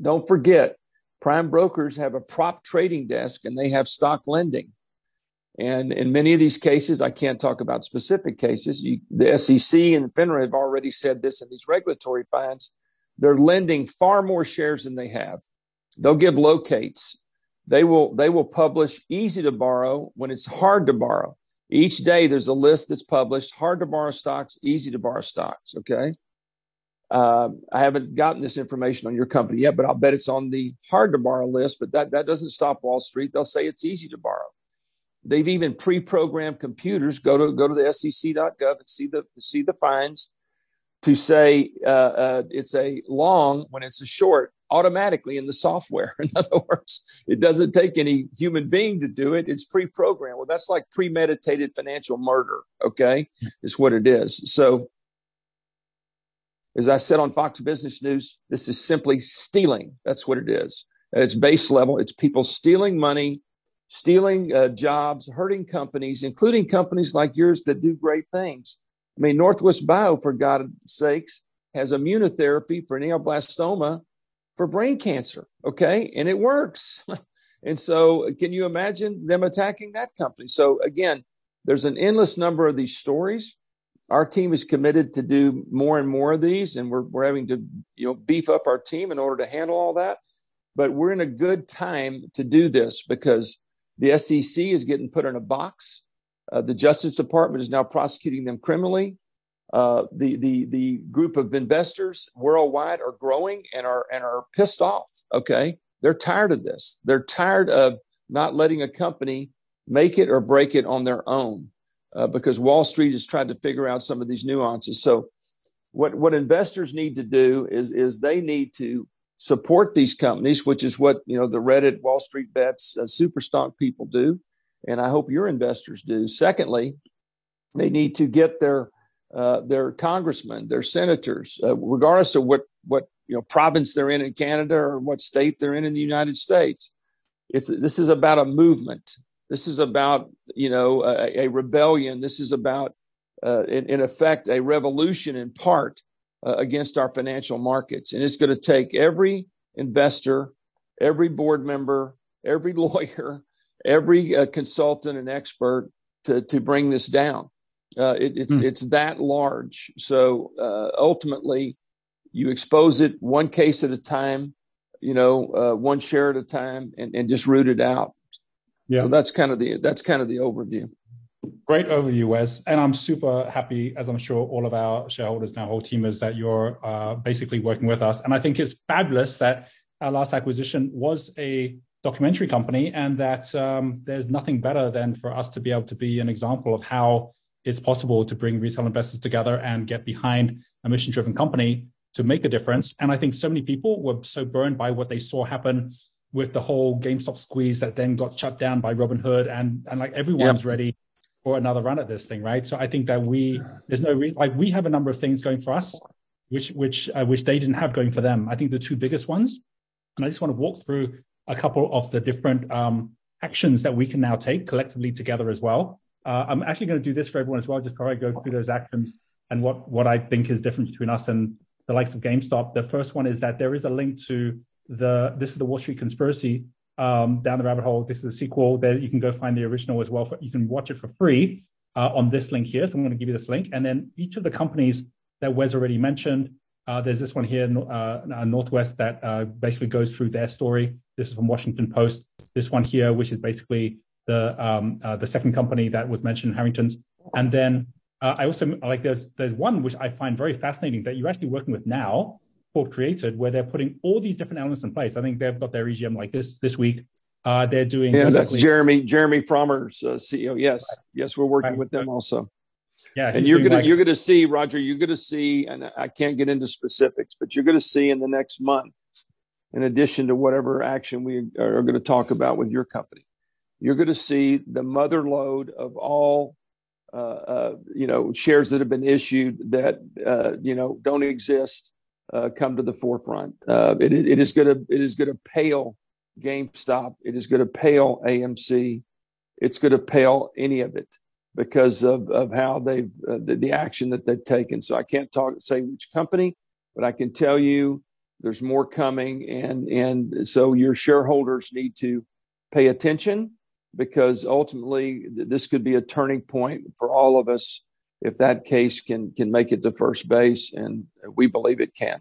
Don't forget, prime brokers have a prop trading desk and they have stock lending. In many of these cases, I can't talk about specific cases, the SEC and FINRA have already said this in these regulatory fines. They're lending far more shares than they have. They'll give locates. They will publish easy to borrow when it's hard to borrow. Each day there's a list that's published, hard to borrow stocks, easy to borrow stocks. Okay? I haven't gotten this information on your company yet, but I'll bet it's on the hard to borrow list, but that doesn't stop Wall Street. They'll say it's easy to borrow. They've even pre-programmed computers. Go to the SEC.gov and see the fines to say it's a long when it's a short automatically in the software. In other words, it doesn't take any human being to do it. It's pre-programmed. That's like premeditated financial murder, okay? Is what it is. As I said on Fox Business News, this is simply stealing. That's what it is. At its base level, it's people stealing money, stealing jobs, hurting companies, including companies like yours that do great things. I mean, Northwest Bio, for God sakes, has immunotherapy for neuroblastoma for brain cancer, okay? It works. Can you imagine them attacking that company? Again, there's an endless number of these stories. Our team is committed to do more and more of these, and we're having to, you know, beef up our team in order to handle all that. We're in a good time to do this because the SEC is getting put in a box. The Justice Department is now prosecuting them criminally. The, the group of investors worldwide are growing and are pissed off, okay? They're tired of this. They're tired of not letting a company make it or break it on their own, because Wall Street has tried to figure out some of these nuances. What investors need to do is they need to support these companies which is what, you know, the Reddit WallStreetBets, super stock people do, and I hope your investors do. Secondly, they need to get their congressmen, their senators, regardless of what, you know, province they're in in Canada or what state they're in in the United States. This is about a movement. This is about, you know, a rebellion. This is about, in effect, a revolution in part, against our financial markets. It's gonna take every investor, every board member, every lawyer, every, consultant and expert to bring this down. It's that large. Ultimately, you expose it one case at a time, you know, one share at a time and just root it out. Yeah. That's kinda the overview. Great overview, Wes. I'm super happy, as I'm sure all of our shareholders and our whole team is, that you're basically working with us. I think it's fabulous that our last acquisition was a documentary company and that there's nothing better than for us to be able to be an example of how it's possible to bring retail investors together and get behind a mission-driven company to make a difference. I think so many people were so burned by what they saw happen with the whole GameStop squeeze that then got shut down by Robinhood, and like everyone's ready for another run at this thing, right? I think that we have a number of things going for us which they didn't have going for them. I think the two biggest ones. I just wanna walk through a couple of the different actions that we can now take collectively together as well. I'm actually gonna do this for everyone as well just before I go through those actions and what I think is different between us and the likes of GameStop. The first one is that there is a link to The Wall Street Conspiracy: Down the Rabbit Hole. This is a sequel. There you can go find the original as well. You can watch it for free on this link here, so I'm gonna give you this link. Each of the companies that Wes already mentioned, there's this one here Northwest that basically goes through their story. This is from The Washington Post. This one here which is basically the second company that was mentioned, Harrington. I also Like there's one which I find very fascinating that you're actually working with now, or Creatd, where they're putting all these different elements in place. I think they've got their AGM like this week. They're doing basically- Yeah, that's Jeremy Frommer's CEO, yes. Right. Yes, we're working with them also. Yeah. You can, like... You're gonna see, Roger, you're gonna see. I can't get into specifics, but you're gonna see in the next month, in addition to whatever action we are gonna talk about with your company, you're gonna see the mother lode of all, you know, shares that have been issued that, you know, don't exist, come to the forefront. It is gonna pale GameStop. It is gonna pale AMC. It's gonna pale any of it because of how they've, the action that they've taken. I can't talk, say which company, but I can tell you there's more coming and so your shareholders need to pay attention because ultimately this could be a turning point for all of us if that case can make it to first base, and we believe it can.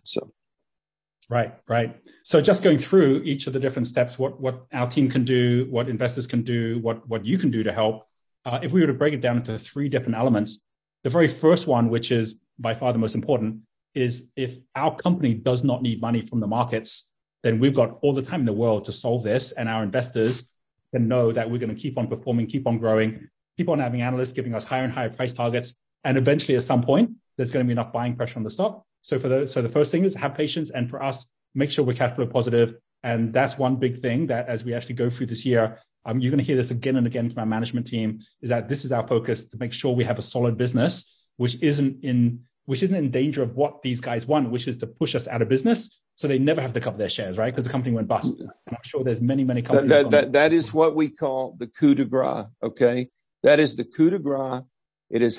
Right. Just going through each of the different steps, what our team can do, what investors can do, what you can do to help. If we were to break it down to three different elements, the very first one, which is by far the most important, is if our company does not need money from the markets, then we've got all the time in the world to solve this, and our investors can know that we're gonna keep on performing, keep on growing, keep on having analysts giving us higher and higher price targets. Eventually at some point, there's gonna be enough buying pressure on the stock. The first thing is have patience, and for us, make sure we're cash flow positive. That's one big thing that as we actually go through this year, you're gonna hear this again and again from our management team, is that this is our focus to make sure we have a solid business which isn't in danger of what these guys want, which is to push us out of business so they never have to cover their shares, right? 'Cause the company went bust. Yeah. I'm sure there's many companies. That is what we call the coup de grâce, okay? That is the coup de grâce. When that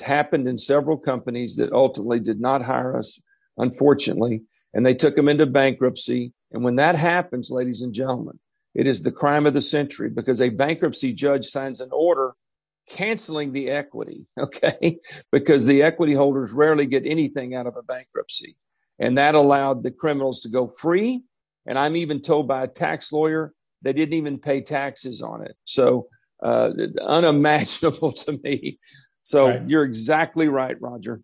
happens, ladies and gentlemen, it is the crime of the century because a bankruptcy judge signs an order canceling the equity, okay? Because the equity holders rarely get anything out of a bankruptcy. That allowed the criminals to go free, and I'm even told by a tax lawyer they didn't even pay taxes on it. Unimaginable to me. Right. You're exactly right, Roger.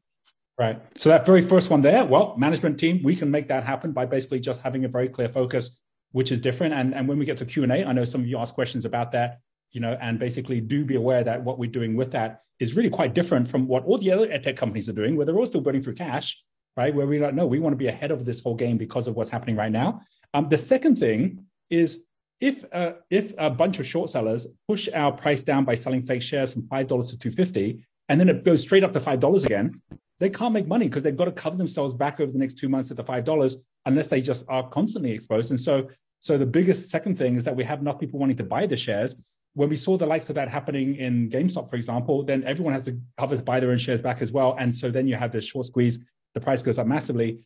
Right. That very first one there, well, management team, we can make that happen by basically just having a very clear focus which is different. When we get to Q&A, I know some of you ask questions about that, you know, and basically do be aware that what we're doing with that is really quite different from what all the other EdTech companies are doing, where they're all still burning through cash, right? Where we're like, "No, we wanna be ahead of this whole game because of what's happening right now." The second thing is if a bunch of short sellers push our price down by selling fake shares from $5-$2.50, and then it goes straight up to $5 again, they can't make money 'cause they've gotta cover themselves back over the next two months at the $5 unless they just are constantly exposed. The biggest second thing is that we have enough people wanting to buy the shares. When we saw the likes of that happening in GameStop, for example, then everyone has to cover to buy their own shares back as well. You have the short squeeze, the price goes up massively.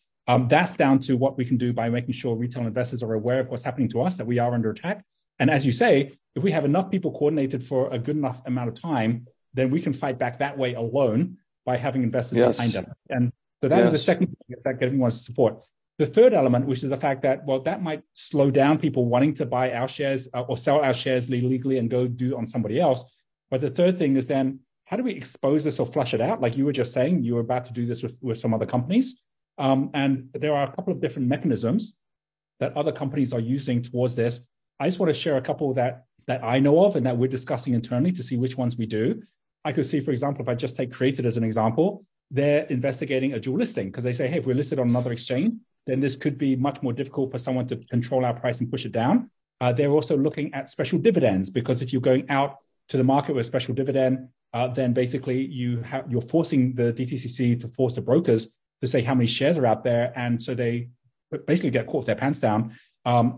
That's down to what we can do by making sure retail investors are aware of what's happening to us, that we are under attack. As you say, if we have enough people coordinated for a good enough amount of time, then we can fight back that way alone. By having investors behind us. Yes. And that is the second thing that Genius wants to support. The third element, which is the fact that, well, that might slow down people wanting to buy our shares, or sell our shares legally and go do on somebody else, the third thing is then how do we expose this or flush it out? Like you were just saying, you were about to do this with some other companies. There are a couple of different mechanisms that other companies are using towards this. I just wanna share a couple that I know of and that we're discussing internally to see which ones we do. I could see, for example, if I just take Creatd as an example, they're investigating a dual listing 'cause they say, "Hey, if we're listed on another exchange, then this could be much more difficult for someone to control our price and push it down." They're also looking at special dividends because if you're going out to the market with special dividend, then basically You're forcing the DTCC to force the brokers to say how many shares are out there, and so they basically get caught with their pants down.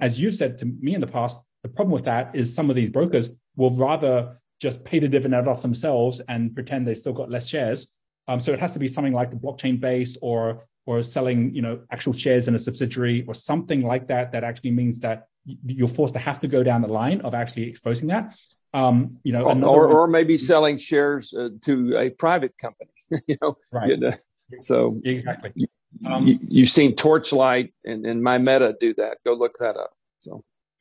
As you've said to me in the past, the problem with that is some of these brokers will rather just pay the dividend off themselves and pretend they still got less shares. It has to be something like blockchain-based or selling, you know, actual shares in a subsidiary or something like that that actually means that you're forced to have to go down the line of actually exposing that. Maybe selling shares to a private company you know? Right. Exactly. You've seen Torchlight and Metamaterial do that. Go look that up.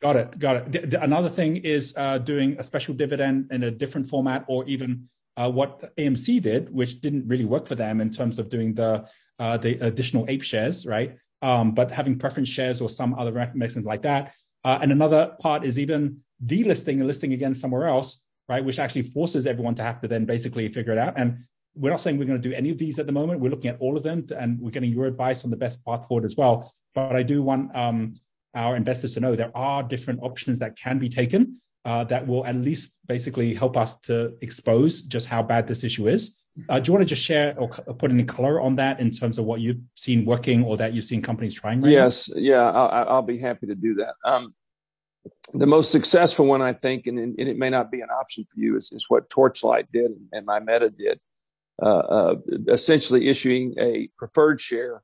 Got it. Got it. The, another thing is doing a special dividend in a different format or even what AMC did, which didn't really work for them in terms of doing the additional APE shares, right? But having preference shares or some other recom things like that. Another part is even delisting and listing again somewhere else, right, which actually forces everyone to have to then basically figure it out. We're not saying we're gonna do any of these at the moment. We're looking at all of them and we're getting your advice on the best path forward as well, but I do want our investors to know there are different options that can be taken that will at least basically help us to expose just how bad this issue is. Do you wanna just share or put any color on that in terms of what you've seen working or that you've seen companies trying right now? Yeah. I'll be happy to do that. The most successful one, I think, and it may not be an option for you, is what Torchlight did and Meta Materials did. Essentially issuing a preferred share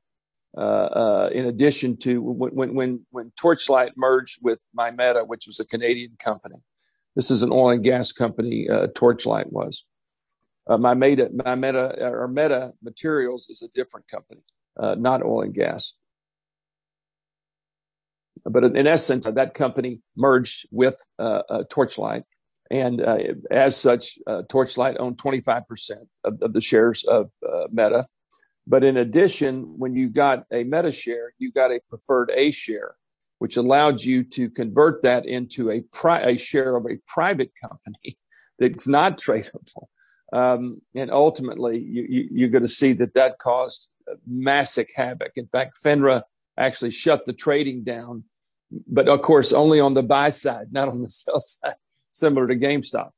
in addition to when Torchlight merged with Meta Materials, which was a Canadian company. This is an oil and gas company, Torchlight was. Meta Materials is a different company. Not oil and gas. In essence, that company merged with Torchlight and as such, Torchlight owned 25% of the shares of Meta. In addition, when you got a Meta share, you got a preferred A share, which allowed you to convert that into a share of a private company that's not traceable. Ultimately, you're gonna see that that caused massive havoc. In fact, FINRA actually shut the trading down, but of course only on the buy side, not on the sell side, similar to GameStop.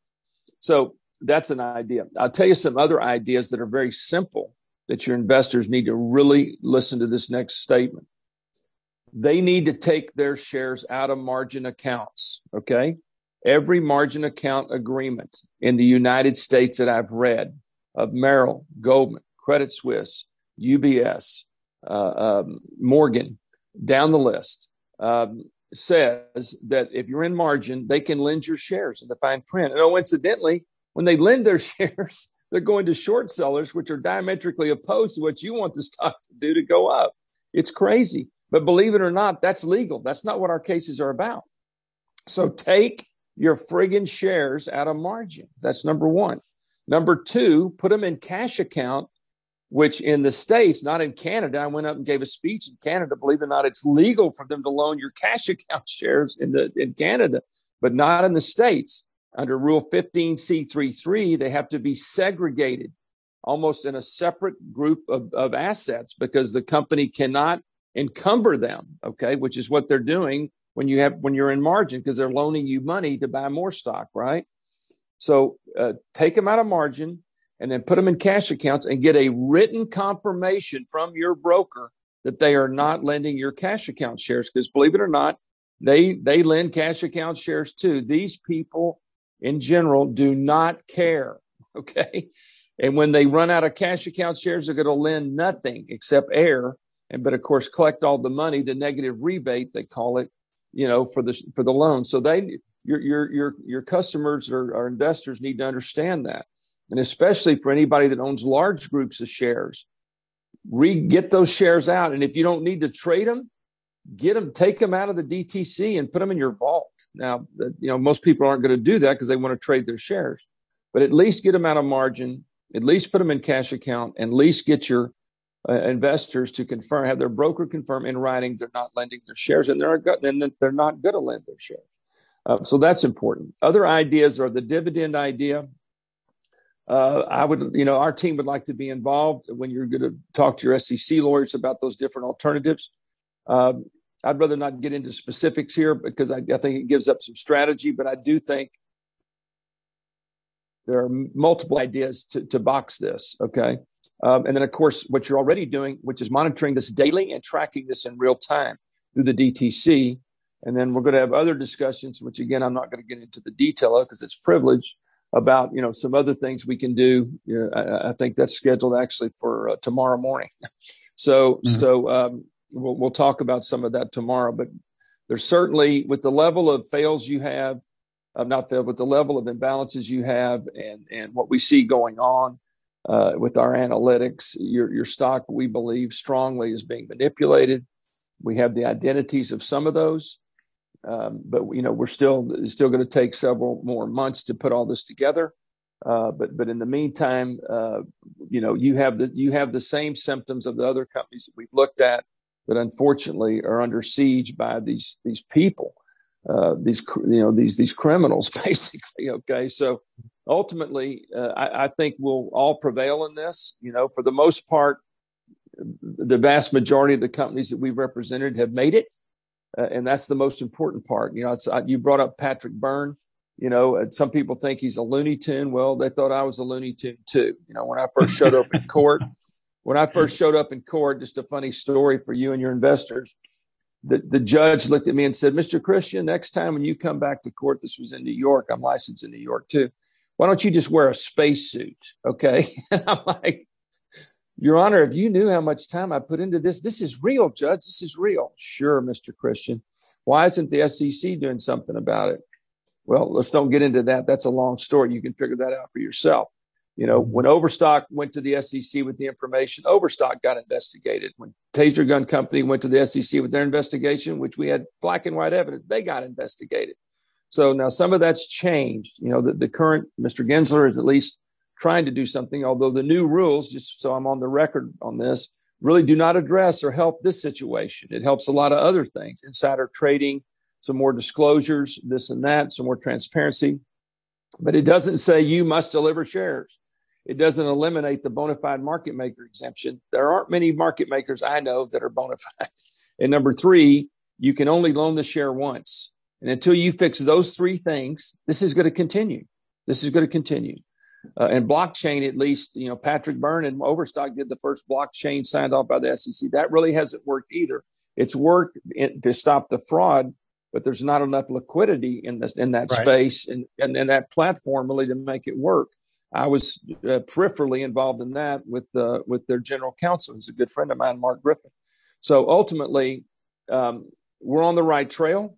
That's an idea. I'll tell you some other ideas that are very simple that your investors need to really listen to this next statement. They need to take their shares out of margin accounts, okay? Every margin account agreement in the United States that I've read of Merrill, Goldman, Credit Suisse, UBS, Morgan, down the list, says that if you're in margin, they can lend your shares in the fine print. Oh, incidentally, when they lend their shares, they're going to short sellers, which are diametrically opposed to what you want the stock to do to go up. It's crazy. Believe it or not, that's legal. That's not what our cases are about. Take your frigging shares out of margin. That's number one. Number two, put them in cash account, which in the States, not in Canada. I went up and gave a speech in Canada. Believe it or not, it's legal for them to loan your cash account shares in Canada. Not in the States. Under Rule 15c3-3, they have to be segregated almost in a separate group of assets because the company cannot encumber them, okay, which is what they're doing when you're in margin, 'cause they're loaning you money to buy more stock, right? Take them out of margin, and then put them in cash accounts and get a written confirmation from your broker that they are not lending your cash account shares. Believe it or not, they lend cash account shares too. These people, in general, do not care, okay? When they run out of cash account shares, they're gonna lend nothing except air and but of course collect all the money, the negative rebate, they call it, you know, for the loan. Your customers or investors need to understand that. Especially for anybody that owns large groups of shares. Get those shares out, and if you don't need to trade them, take them out of the DTC and put them in your vault. The, you know, most people aren't gonna do that 'cause they wanna trade their shares, but at least get them out of margin, at least put them in cash account, and at least get your investors to confirm, have their broker confirm in writing they're not lending their shares, and that they're not gonna lend their shares. That's important. Other ideas are the dividend idea. I would, you know, our team would like to be involved when you're gonna talk to your SEC lawyers about those different alternatives. I'd rather not get into specifics here because I think it gives up some strategy, but I do think there are multiple ideas to box this, okay? Of course what you're already doing, which is monitoring this daily and tracking this in real time through the DTC. We're gonna have other discussions, which again, I'm not gonna get into the detail of 'cause it's privileged, about, you know, some other things we can do. I think that's scheduled actually for tomorrow morning. We'll talk about some of that tomorrow. There's certainly, with the level of fails you have-I'm not there, but the level of imbalances you have and what we see going on with our analytics, your stock, we believe strongly is being manipulated. We have the identities of some of those. You know, we're still, it's still gonna take several more months to put all this together. But in the meantime, you know, you have the same symptoms of the other companies that we've looked at that unfortunately are under siege by these people. These, you know, these criminals basically, okay? Ultimately, I think we'll all prevail in this. You know, for the most part, the vast majority of the companies that we've represented have made it, and that's the most important part. You know, it's, you brought up Patrick Byrne. You know, some people think he's a Looney Tune. Well, they thought I was a Looney Tune too, you know, when I first showed up in court. When I first showed up in court, just a funny story for you and your investors, the judge looked at me and said, "Mr. Christian, next time when you come back to court," this was in New York, I'm licensed in New York too, "why don't you just wear a space suit, okay?" I'm like, "Your Honor, if you knew how much time I put into this is real, Judge, this is real." "Sure, Mr. Christian. Why isn't the SEC doing something about it?" Well, let's don't get into that. That's a long story. You can figure that out for yourself. You know, when Overstock.com went to the SEC with the information, Overstock.com got investigated. When Taser gun company went to the SEC with their investigation, which we had black and white evidence, they got investigated. Now some of that's changed. You know, the current Mr. Gensler is at least trying to do something, although the new rules, just so I'm on the record on this, really do not address or help this situation. It helps a lot of other things, insider trading, some more disclosures, this and that, some more transparency, but it doesn't say you must deliver shares. It doesn't eliminate the bona fide market maker exemption. There aren't many market makers I know that are bona fide. Number three, you can only loan the share once. Until you fix those three things, this is gonna continue. This is gonna continue. Blockchain at least, you know, Patrick Byrne and Overstock.com did the first blockchain signed off by the SEC. That really hasn't worked either. It's worked in, to stop the fraud, but there's not enough liquidity in that space and in that platform really to make it work. I was peripherally involved in that with their general counsel, who's a good friend of mine, Mark Griffin. Ultimately, we're on the right trail.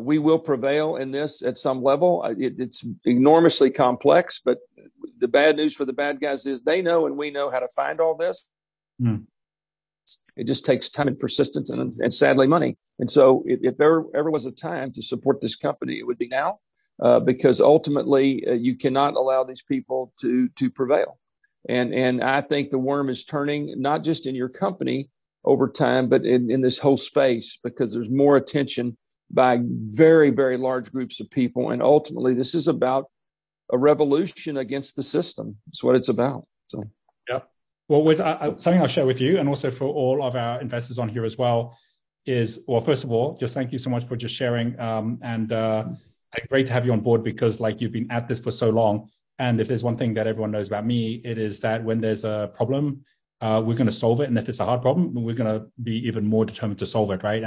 We will prevail in this at some level. It's enormously complex, but the bad news for the bad guys is they know and we know how to find all this. It just takes time and persistence and sadly, money. If there ever was a time to support this company, it would be now because ultimately, you cannot allow these people to prevail. I think the worm is turning, not just in your company over time, but in this whole space because there's more attention by very, very large groups of people. Ultimately, this is about a revolution against the system. It's what it's about, so. Yeah. Well, with something I'll share with you and also for all of our investors on here as well is. Well, first of all, just thank you so much for just sharing. Great to have you on board because, like, you've been at this for so long. If there's one thing that everyone knows about me, it is that when there's a problem, we're gonna solve it. If it's a hard problem, we're gonna be even more determined to solve it, right?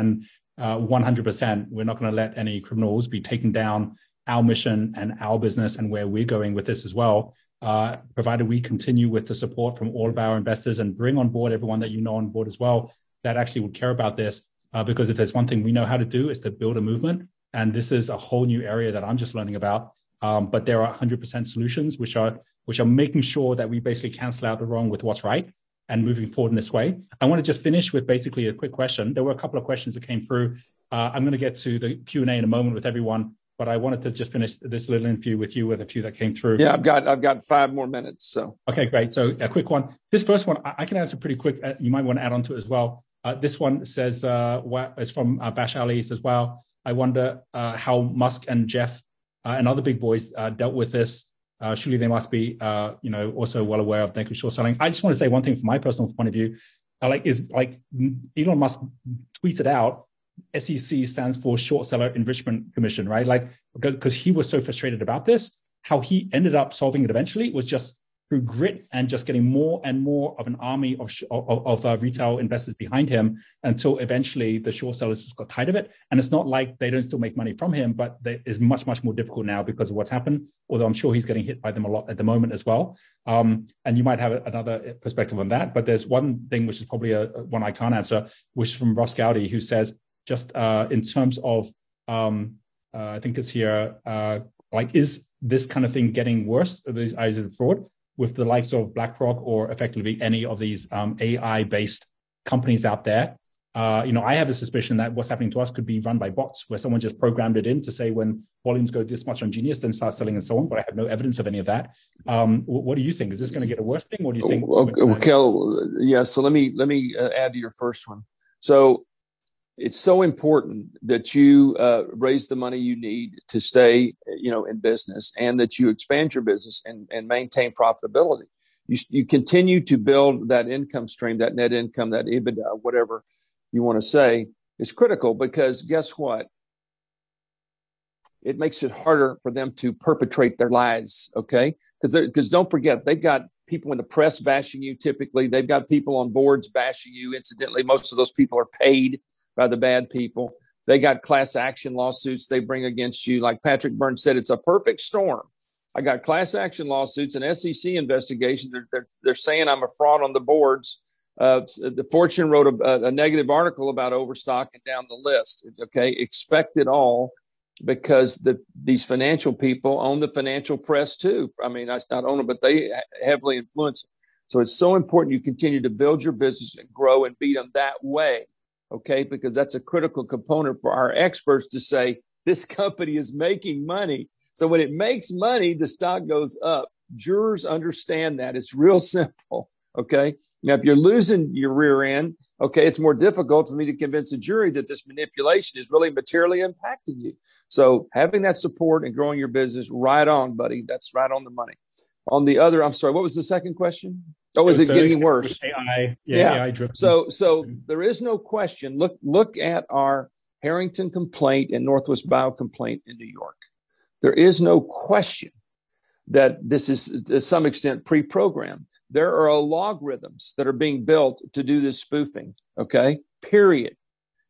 We're not gonna let any criminals be taking down our mission and our business and where we're going with this as well, provided we continue with the support from all of our investors and bring on board everyone that you know on board as well that actually would care about this. Because if there's one thing we know how to do is to build a movement, this is a whole new area that I'm just learning about. There are 100% solutions which are making sure that we basically cancel out the wrong with what's right and moving forward in this way. I wanna just finish with basically a quick question. There were a couple of questions that came through. I'm gonna get to the Q&A in a moment with everyone, but I wanted to just finish this little interview with you with a few that came through. Yeah, I've got five more minutes, so. Okay, great. A quick one. This first one I can answer pretty quick. You might wanna add onto it as well. This one says, it's from Bash Ali, says, "Well, I wonder how Musk and Jeff and other big boys dealt with this. Surely they must be, you know, also well aware of naked short selling." I just wanna say one thing from my personal point of view, like is, like, Elon Musk tweeted out, "SEC stands for Short Seller Enrichment Commission," right? Like, 'cause he was so frustrated about this. How he ended up solving it eventually was just through grit and just getting more and more of an army of retail investors behind him until eventually the short sellers just got tired of it. It's not like they don't still make money from him, but they, it's much, much more difficult now because of what's happened, although I'm sure he's getting hit by them a lot at the moment as well. You might have another perspective on that. There's one thing which is probably one I can't answer, which is from Ross Goudie, who says just in terms of, I think it's here, "Is this kind of thing getting worse, these acts of fraud with the likes of BlackRock or effectively any of these AI-based companies out there?" You know, I have a suspicion that what's happening to us could be run by bots where someone just programmed it in to say when volumes go this much on Genius, then start selling and so on, but I have no evidence of any of that. What do you think? Is this gonna get a worse thing? Well, yeah, let me add to your first one. It's so important that you raise the money you need to stay, you know, in business, and that you expand your business and maintain profitability. You continue to build that income stream, that net income, that EBITDA, whatever you wanna say, is critical because guess what? It makes it harder for them to perpetrate their lies, okay? Don't forget, they've got people in the press bashing you typically. They've got people on boards bashing you. Incidentally, most of those people are paid by the bad people. They got class action lawsuits they bring against you. Like Patrick Byrne said, it's a perfect storm. I got class action lawsuits and SEC investigations. They're saying I'm a fraud on the boards. The Fortune wrote a, a negative article about Overstock.com down the list, okay? Expect it all because these financial people own the financial press too. I mean, not own it, but they heavily influence it. It's so important you continue to build your business and grow and beat 'em that way, okay? Because that's a critical component for our experts to say, "This company is making money." When it makes money, the stock goes up. Jurors understand that. It's real simple, okay? Now, if you're losing your rear end, okay, it's more difficult for me to convince a jury that this manipulation is really materially impacting you. Having that support and growing your business, right on, buddy. That's right on the money. On the other... I'm sorry, what was the second question? Oh, is it getting worse? The AI-driven. Yeah. There is no question. Look at our Harrington complaint and Northwest Bio complaint in New York. There is no question that this is to some extent pre-programmed. There are algorithms that are being built to do this spoofing, okay? Period.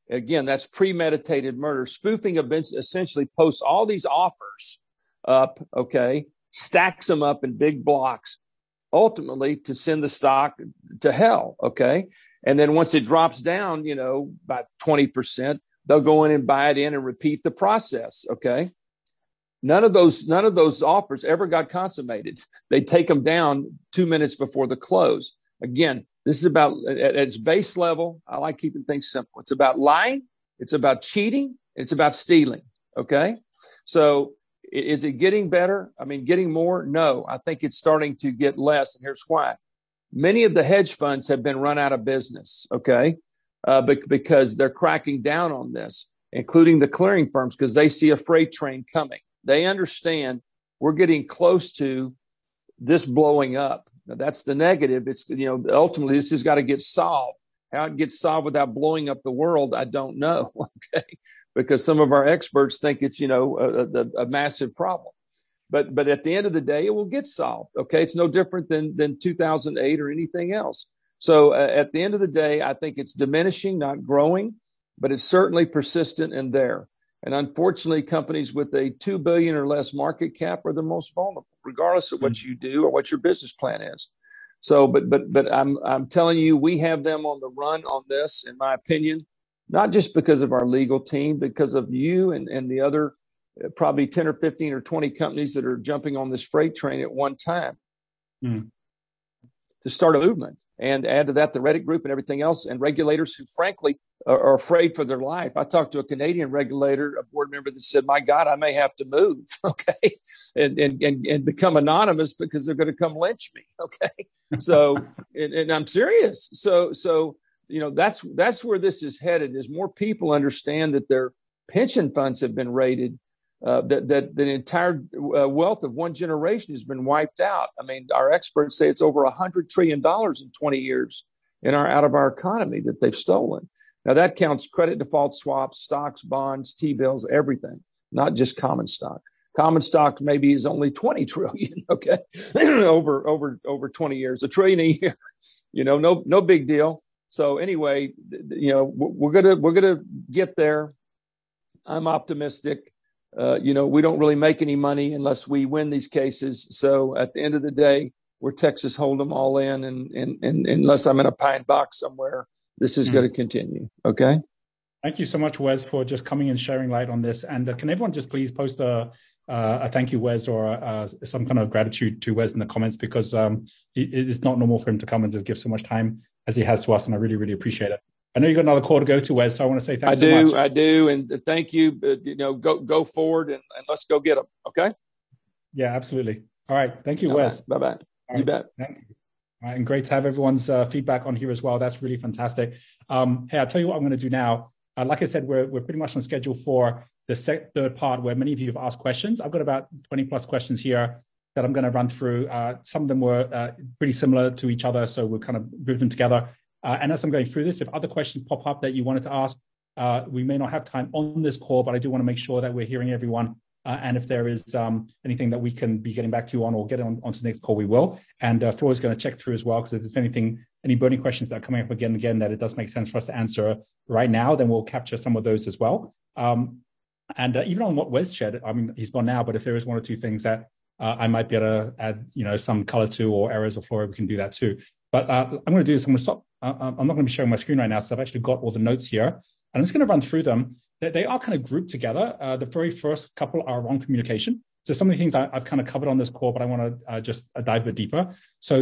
Again, that's premeditated murder. Spoofing events essentially posts all these offers up, okay? Stacks them up in big blocks ultimately to send the stock to hell, okay? Then once it drops down, you know, about 20%, they'll go in and buy it in and repeat the process, okay? None of those, none of those offers ever got consummated. They take 'em down two minutes before the close. Again, this is about, at its base level, I like keeping things simple. It's about lying, it's about cheating, it's about stealing, okay? Is it getting better? I mean, getting more? No. I think it's starting to get less, and here's why. Many of the hedge funds have been run out of business, okay? Because they're cracking down on this, including the clearing firms, 'cause they see a freight train coming. They understand we're getting close to this blowing up. That's the negative. It's, you know, ultimately this has gotta get solved. How it gets solved without blowing up the world, I don't know, okay? Some of our experts think it's, you know, a massive problem. At the end of the day, it will get solved, okay? It's no different than 2008 or anything else. At the end of the day, I think it's diminishing, not growing, but it's certainly persistent and there. Unfortunately, companies with a $2 billion or less market cap are the most vulnerable, regardless of what you do or what your business plan is. But I'm telling you, we have them on the run on this, in my opinion. Not just because of our legal team, because of you and the other probably 10 or 15 or 20 companies that are jumping on this freight train at one time to start a movement. Add to that, the Reddit group and everything else, and regulators who frankly are afraid for their life. I talked to a Canadian regulator, a board member that said, "My God, I may have to move," okay? "And become anonymous because they're gonna come lynch me," okay? I'm serious. You know, that's where this is headed, is more people understand that their pension funds have been raided, that the entire wealth of one generation has been wiped out. I mean, our experts say it's over $100 trillion in 20 years out of our economy that they've stolen. That counts credit default swaps, stocks, bonds, T-bills, everything, not just common stock. Common stock maybe is only $20 trillion, okay? Over 20 years. $1 trillion a year, you know, no big deal. Anyway, you know, we're gonna get there. I'm optimistic. you know, we don't really make any money unless we win these cases, so at the end of the day, we're Texas Hold 'em all in unless I'm in a pine box somewhere, this is gonna continue, okay? Thank you so much, Wes, for just coming and sharing light on this. Can everyone just please post a thank you, Wes, or a some kind of gratitude to Wes in the comments because it is not normal for him to come and just give so much time as he has to us, and I really, really appreciate it. I know you've got another call to go to, Wes, I wanna say thank you much. I do. Thank you. You know, go forward and let's go get 'em, okay? Yeah, absolutely. All right. Thank you, Wes. Bye-bye. You bet. Thank you. All right. Great to have everyone's feedback on here as well. That's really fantastic. Hey, I'll tell you what I'm gonna do now. Like I said, we're pretty much on schedule for the third part where many of you have asked questions. I've got about 20+ questions here that I'm gonna run through. Some of them were pretty similar to each other, so we'll kind of group them together. As I'm going through this, if other questions pop up that you wanted to ask, we may not have time on this call, but I do wanna make sure that we're hearing everyone. If there is anything that we can be getting back to you on or get onto the next call, we will. Flora's gonna check through as well, 'cause if there's anything, any burning questions that are coming up again that it does make sense for us to answer right now, then we'll capture some of those as well. Even on what Wes shared, I mean, he's gone now, but if there is one or two things that I might be able to add, you know, some color to, or areas of Flora, we can do that too. I'm gonna do this. I'm gonna stop. I'm not gonna be sharing my screen right now 'cause I've actually got all the notes here, and I'm just gonna run through them. They are kinda grouped together. The very first couple are around communication. Some of the things I've kinda covered on this call, but I wanna just dive a bit deeper.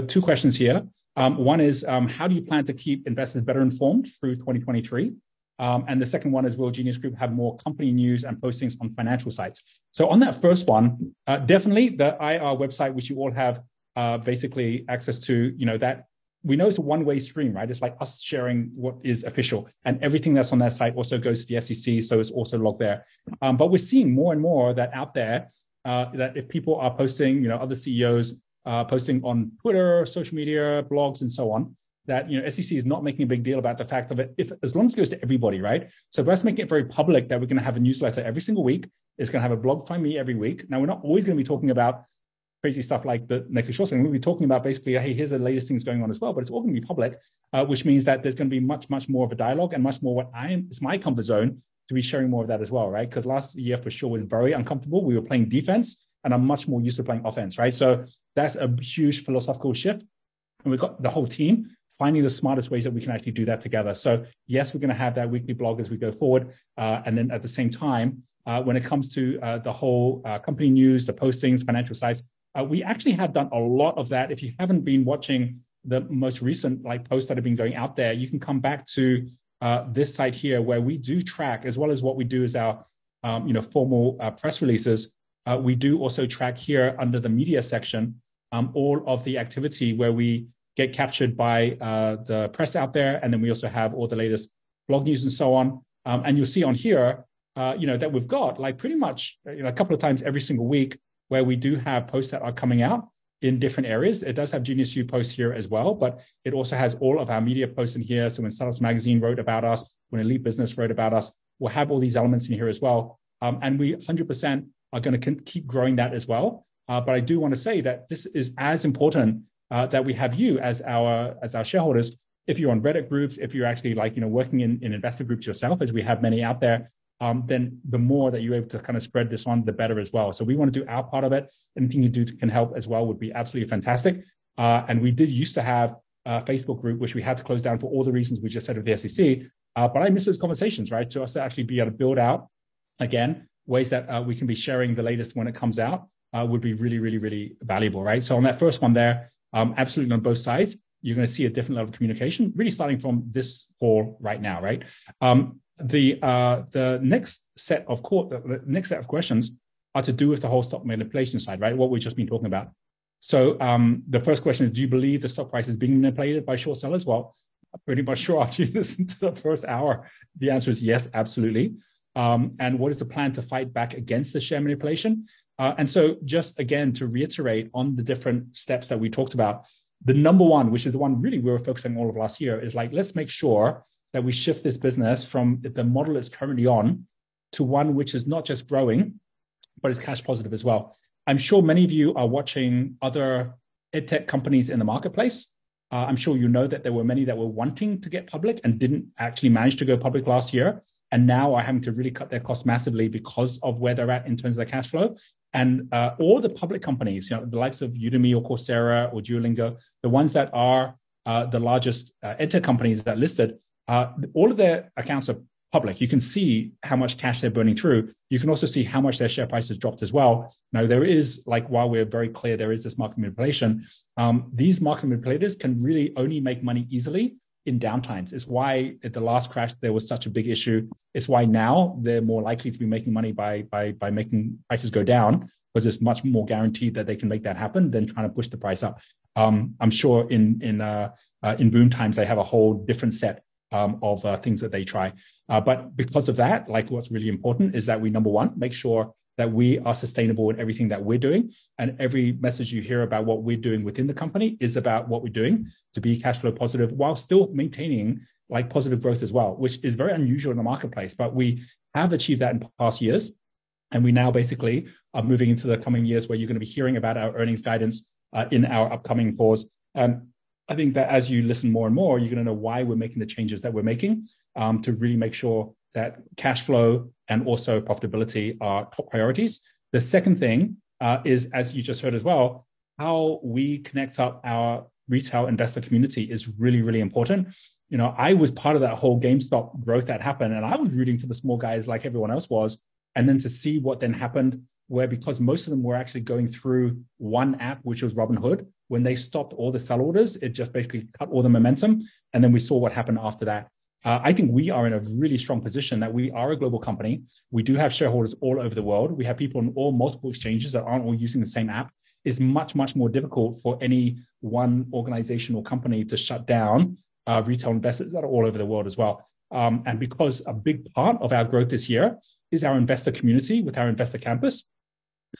Two questions here. One is, "How do you plan to keep investors better informed through 2023?" The second one is, "Will Genius Group have more company news and postings on financial sites?" On that first one, definitely the IR website, which you all have basically access to, you know that. We know it's a one-way stream, right? It's like us sharing what is official, and everything that's on that site also goes to the SEC, so it's also logged there. We're seeing more and more that out there, that if people are posting, you know, other CEOs, posting on Twitter or social media, blogs and so on, that, you know, SEC is not making a big deal about the fact of it if, as long as it goes to everybody, right? For us to make it very public that we're gonna have a newsletter every single week, it's gonna have a blog finally every week. We're not always gonna be talking about crazy stuff like the naked short selling. We'll be talking about basically, "Hey, here's the latest things going on as well," but it's all gonna be public, which means that there's gonna be much, much more of a dialogue and much more. It's my comfort zone to be sharing more of that as well, right? 'Cause last year for sure was very uncomfortable. We were playing defense, and I'm much more used to playing offense, right? That's a huge philosophical shift. We've got the whole team finding the smartest ways that we can actually do that together. Yes, we're gonna have that weekly blog as we go forward. At the same time, when it comes to the whole company news, the postings, financial sites, we actually have done a lot of that. If you haven't been watching the most recent like posts that have been going out there, you can come back to this site here where we do track as well as what we do as our, you know, formal press releases. We do also track here under the media section, all of the activity where we get captured by the press out there. We also have all the latest blog news and so on. You'll see on here, you know, that we've got pretty much, you know, a couple of times every single week where we do have posts that are coming out in different areas. It does have GeniusU posts here as well. It also has all of our media posts in here. When Sales Magazine wrote about us, when Elite Business wrote about us, we'll have all these elements in here as well. We 100% are gonna keep growing that as well. I do wanna say that this is as important that we have you as our, as our shareholders, if you're on Reddit groups, if you're actually like, you know, working in investor groups yourself, as we have many out there, then the more that you're able to kind of spread this on, the better as well. We wanna do our part of it. Anything you do can help as well would be absolutely fantastic. We did used to have a Facebook group, which we had to close down for all the reasons we just said with the SEC, but I miss those conversations, right? Us to actually be able to build out again ways that we can be sharing the latest when it comes out, would be really valuable, right? On that first one there, absolutely on both sides, you're gonna see a different level of communication, really starting from this call right now, right? The next set of questions are to do with the whole stock manipulation side, right? What we've just been talking about. The first question is, do you believe the stock price is being manipulated by short sellers? Well, I'm pretty much sure after you listen to the first hour, the answer is yes, absolutely. What is the plan to fight back against the share manipulation? Just again, to reiterate on the different steps that we talked about, the number one, which is the one really we were focusing all of last year, is like, let's make sure that we shift this business from the model it's currently on to one which is not just growing, but is cash positive as well. I'm sure many of you are watching other EdTech companies in the marketplace. I'm sure you know that there were many that were wanting to get public and didn't actually manage to go public last year and now are having to really cut their costs massively because of where they're at in terms of the cash flow. All the public companies, you know, the likes of Udemy or Coursera or Duolingo, the ones that are the largest EdTech companies that listed, all of their accounts are public. You can see how much cash they're burning through. You can also see how much their share price has dropped as well. There is like, while we're very clear there is this market manipulation, these market manipulators can really only make money easily in downtimes. It's why at the last crash there was such a big issue. It's why now they're more likely to be making money by making prices go down, because it's much more guaranteed that they can make that happen than trying to push the price up. I'm sure in boom times, they have a whole different set of things that they try. Because of that, like what's really important is that we, number one, make sure that we are sustainable in everything that we're doing, and every message you hear about what we're doing within the company is about what we're doing to be cash flow positive while still maintaining like positive growth as well, which is very unusual in the marketplace. We have achieved that in past years, and we now basically are moving into the coming years where you're gonna be hearing about our earnings guidance in our upcoming calls. I think that as you listen more and more, you're gonna know why we're making the changes that we're making, to really make sure that cash flow and also profitability are top priorities. The second thing is, as you just heard as well, how we connect up our retail investor community is really important. You know, I was part of that whole GameStop growth that happened. I was rooting for the small guys like everyone else was. To see what then happened, where because most of them were actually going through one app, which was Robinhood, when they stopped all the sell orders, it just basically cut all the momentum. We saw what happened after that. I think we are in a really strong position that we are a global company. We do have shareholders all over the world. We have people on all multiple exchanges that aren't all using the same app. It's much, much more difficult for any one organization or company to shut down our retail investors that are all over the world as well. Because a big part of our growth this year is our investor community with our Investor Campus,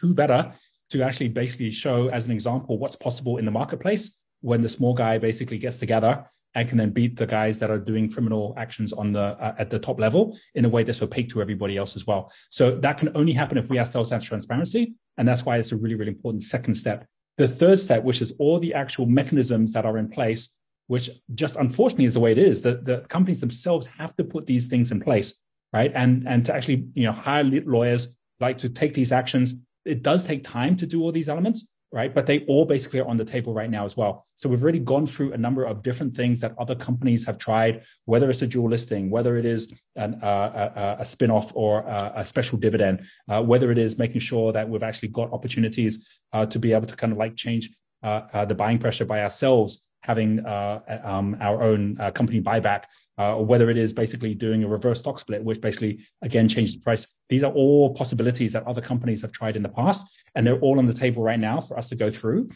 who better to actually basically show as an example what's possible in the marketplace when the small guy basically gets together and can then beat the guys that are doing criminal actions on the at the top level in a way that's opaque to everybody else as well. That can only happen if we ourselves have transparency, and that's why it's a really, really important second step. The third step, which is all the actual mechanisms that are in place, which just unfortunately is the way it is, the companies themselves have to put these things in place, right? To actually, you know, hire lit lawyers, like to take these actions. It does take time to do all these elements, right? They all basically are on the table right now as well. We've already gone through a number of different things that other companies have tried, whether it's a dual listing, whether it is a spin-off or a special dividend, whether it is making sure that we've actually got opportunities to be able to kind of like change the buying pressure by ourselves having our own company buyback, or whether it is basically doing a reverse stock split, which basically again, changes the price. These are all possibilities that other companies have tried in the past, and they're all on the table right now for us to go through.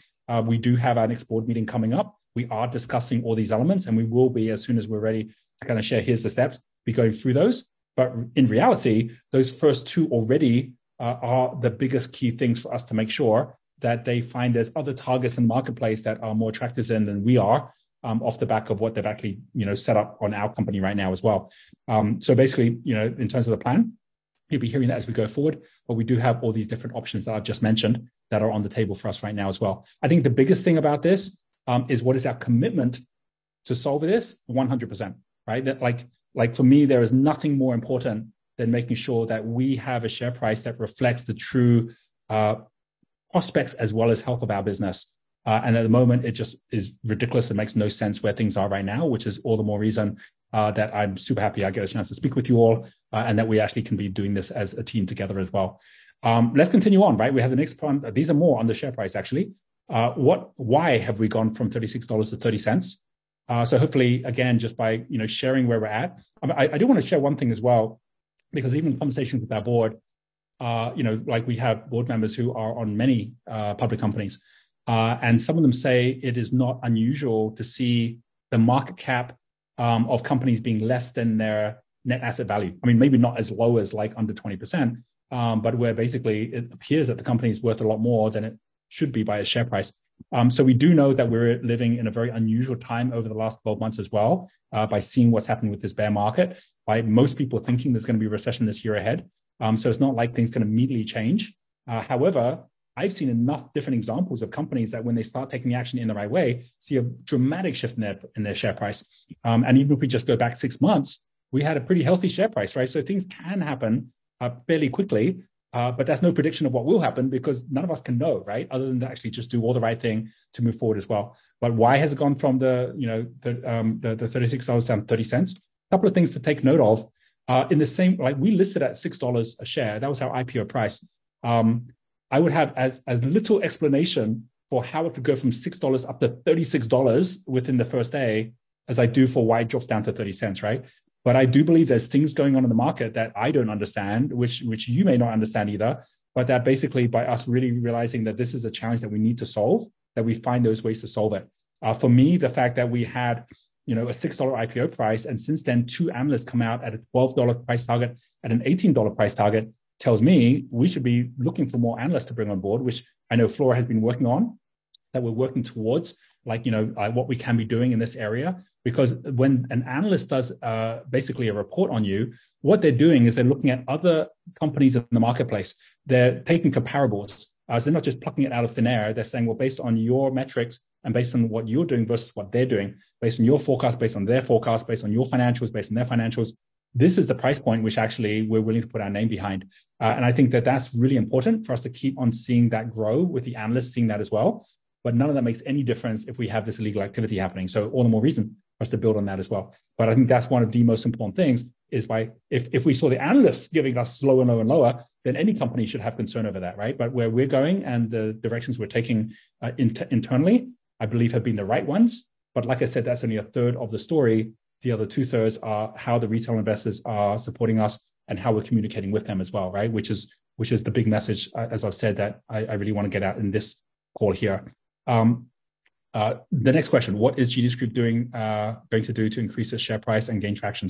We do have our next board meeting coming up. We are discussing all these elements, and we will be as soon as we're ready to kinda share, here's the steps, be going through those. In reality, those first two already are the biggest key things for us to make sure that they find there's other targets in the marketplace that are more attractive than we are off the back of what they've actually, you know, set up on our company right now as well. Basically, you know, in terms of the plan, you'll be hearing that as we go forward, but we do have all these different options that I've just mentioned that are on the table for us right now as well. I think the biggest thing about this is what is our commitment to solve it is 100%, right? That, like, for me, there is nothing more important than making sure that we have a share price that reflects the true prospects as well as health of our business. At the moment it just is ridiculous. It makes no sense where things are right now, which is all the more reason that I'm super happy I get a chance to speak with you all and that we actually can be doing this as a team together as well. Let's continue on, right? We have the next point. These are more on the share price, actually. Why have we gone from $36-$0.30? So hopefully, again, just by, you know, sharing where we're at. I do wanna share one thing as well, because even in conversations with our board, you know, like, we have board members who are on many public companies, and some of them say it is not unusual to see the market cap of companies being less than their net asset value. I mean, maybe not as low as, like, under 20%, but where basically it appears that the company is worth a lot more than it should be by a share price. We do know that we're living in a very unusual time over the last 12 months as well, by seeing what's happened with this bear market, by most people thinking there's gonna be a recession this year ahead. It's not like things can immediately change. However, I've seen enough different examples of companies that when they start taking action in the right way, see a dramatic shift in their share price. Even if we just go back 6 months, we had a pretty healthy share price, right? Things can happen fairly quickly, but that's no prediction of what will happen because none of us can know, right? Other than to actually just do all the right thing to move forward as well. Why has it gone from the, you know, the $36 down to $0.30? Couple of things to take note of. like, we listed at $6 a share. That was our IPO price. I would have as little explanation for how it could go from $6 up to $36 within the first day as I do for why it drops down to $0.30, right? I do believe there's things going on in the market that I don't understand, which you may not understand either, but that basically by us really realizing that this is a challenge that we need to solve, that we find those ways to solve it. For me, the fact that we had, you know, a $6 IPO price, and since then two analysts come out at a $12 price target and an $18 price target tells me we should be looking for more analysts to bring on board, which I know Flora has been working on, that we're working towards, like, you know, what we can be doing in this area. When an analyst does, basically a report on you, what they're doing is they're looking at other companies in the marketplace. They're taking comparables. They're not just plucking it out of thin air. They're saying, "Well, based on your metrics and based on what you're doing versus what they're doing, based on your forecast, based on their forecast, based on your financials, based on their financials, this is the price point which actually we're willing to put our name behind." I think that that's really important for us to keep on seeing that grow with the analysts seeing that as well. None of that makes any difference if we have this illegal activity happening. All the more reason for us to build on that as well. I think that's one of the most important things is if we saw the analysts giving us lower and lower and lower, then any company should have concern over that, right? Where we're going and the directions we're taking, internally, I believe have been the right ones. Like I said, that's only 1/3 of the story. The other two thirds are how the retail investors are supporting us and how we're communicating with them as well, right? Which is the big message, as I've said, that I really wanna get out in this call here. The next question: "What is Genius Group doing, going to do to increase the share price and gain traction?"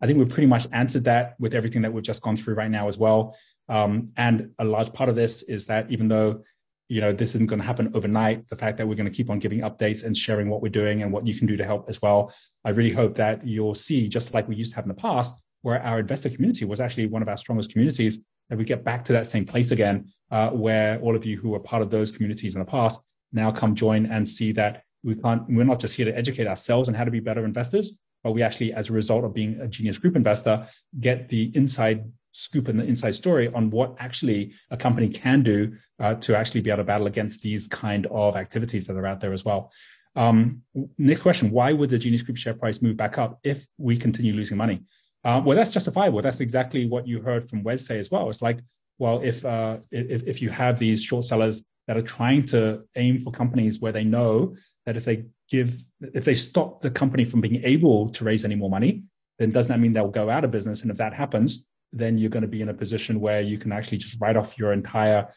I think we pretty much answered that with everything that we've just gone through right now as well. A large part of this is that even though, you know, this isn't gonna happen overnight, the fact that we're gonna keep on giving updates and sharing what we're doing and what you can do to help as well, I really hope that you'll see, just like we used to have in the past, where our investor community was actually one of our strongest communities, that we get back to that same place again, where all of you who were part of those communities in the past now come join and see that we're not just here to educate ourselves on how to be better investors, but we actually, as a result of being a Genius Group investor, get the inside scoop and the inside story on what actually a company can do, to actually be able to battle against these kind of activities that are out there as well. Next question: "Why would the Genius Group share price move back up if we continue losing money?" Well, that's justifiable. That's exactly what you heard from Wes say as well. It's like, well, if you have these short sellers that are trying to aim for companies where they know that if they stop the company from being able to raise any more money, then doesn't that mean they'll go out of business? If that happens, then you're gonna be in a position where you can actually just write off your entire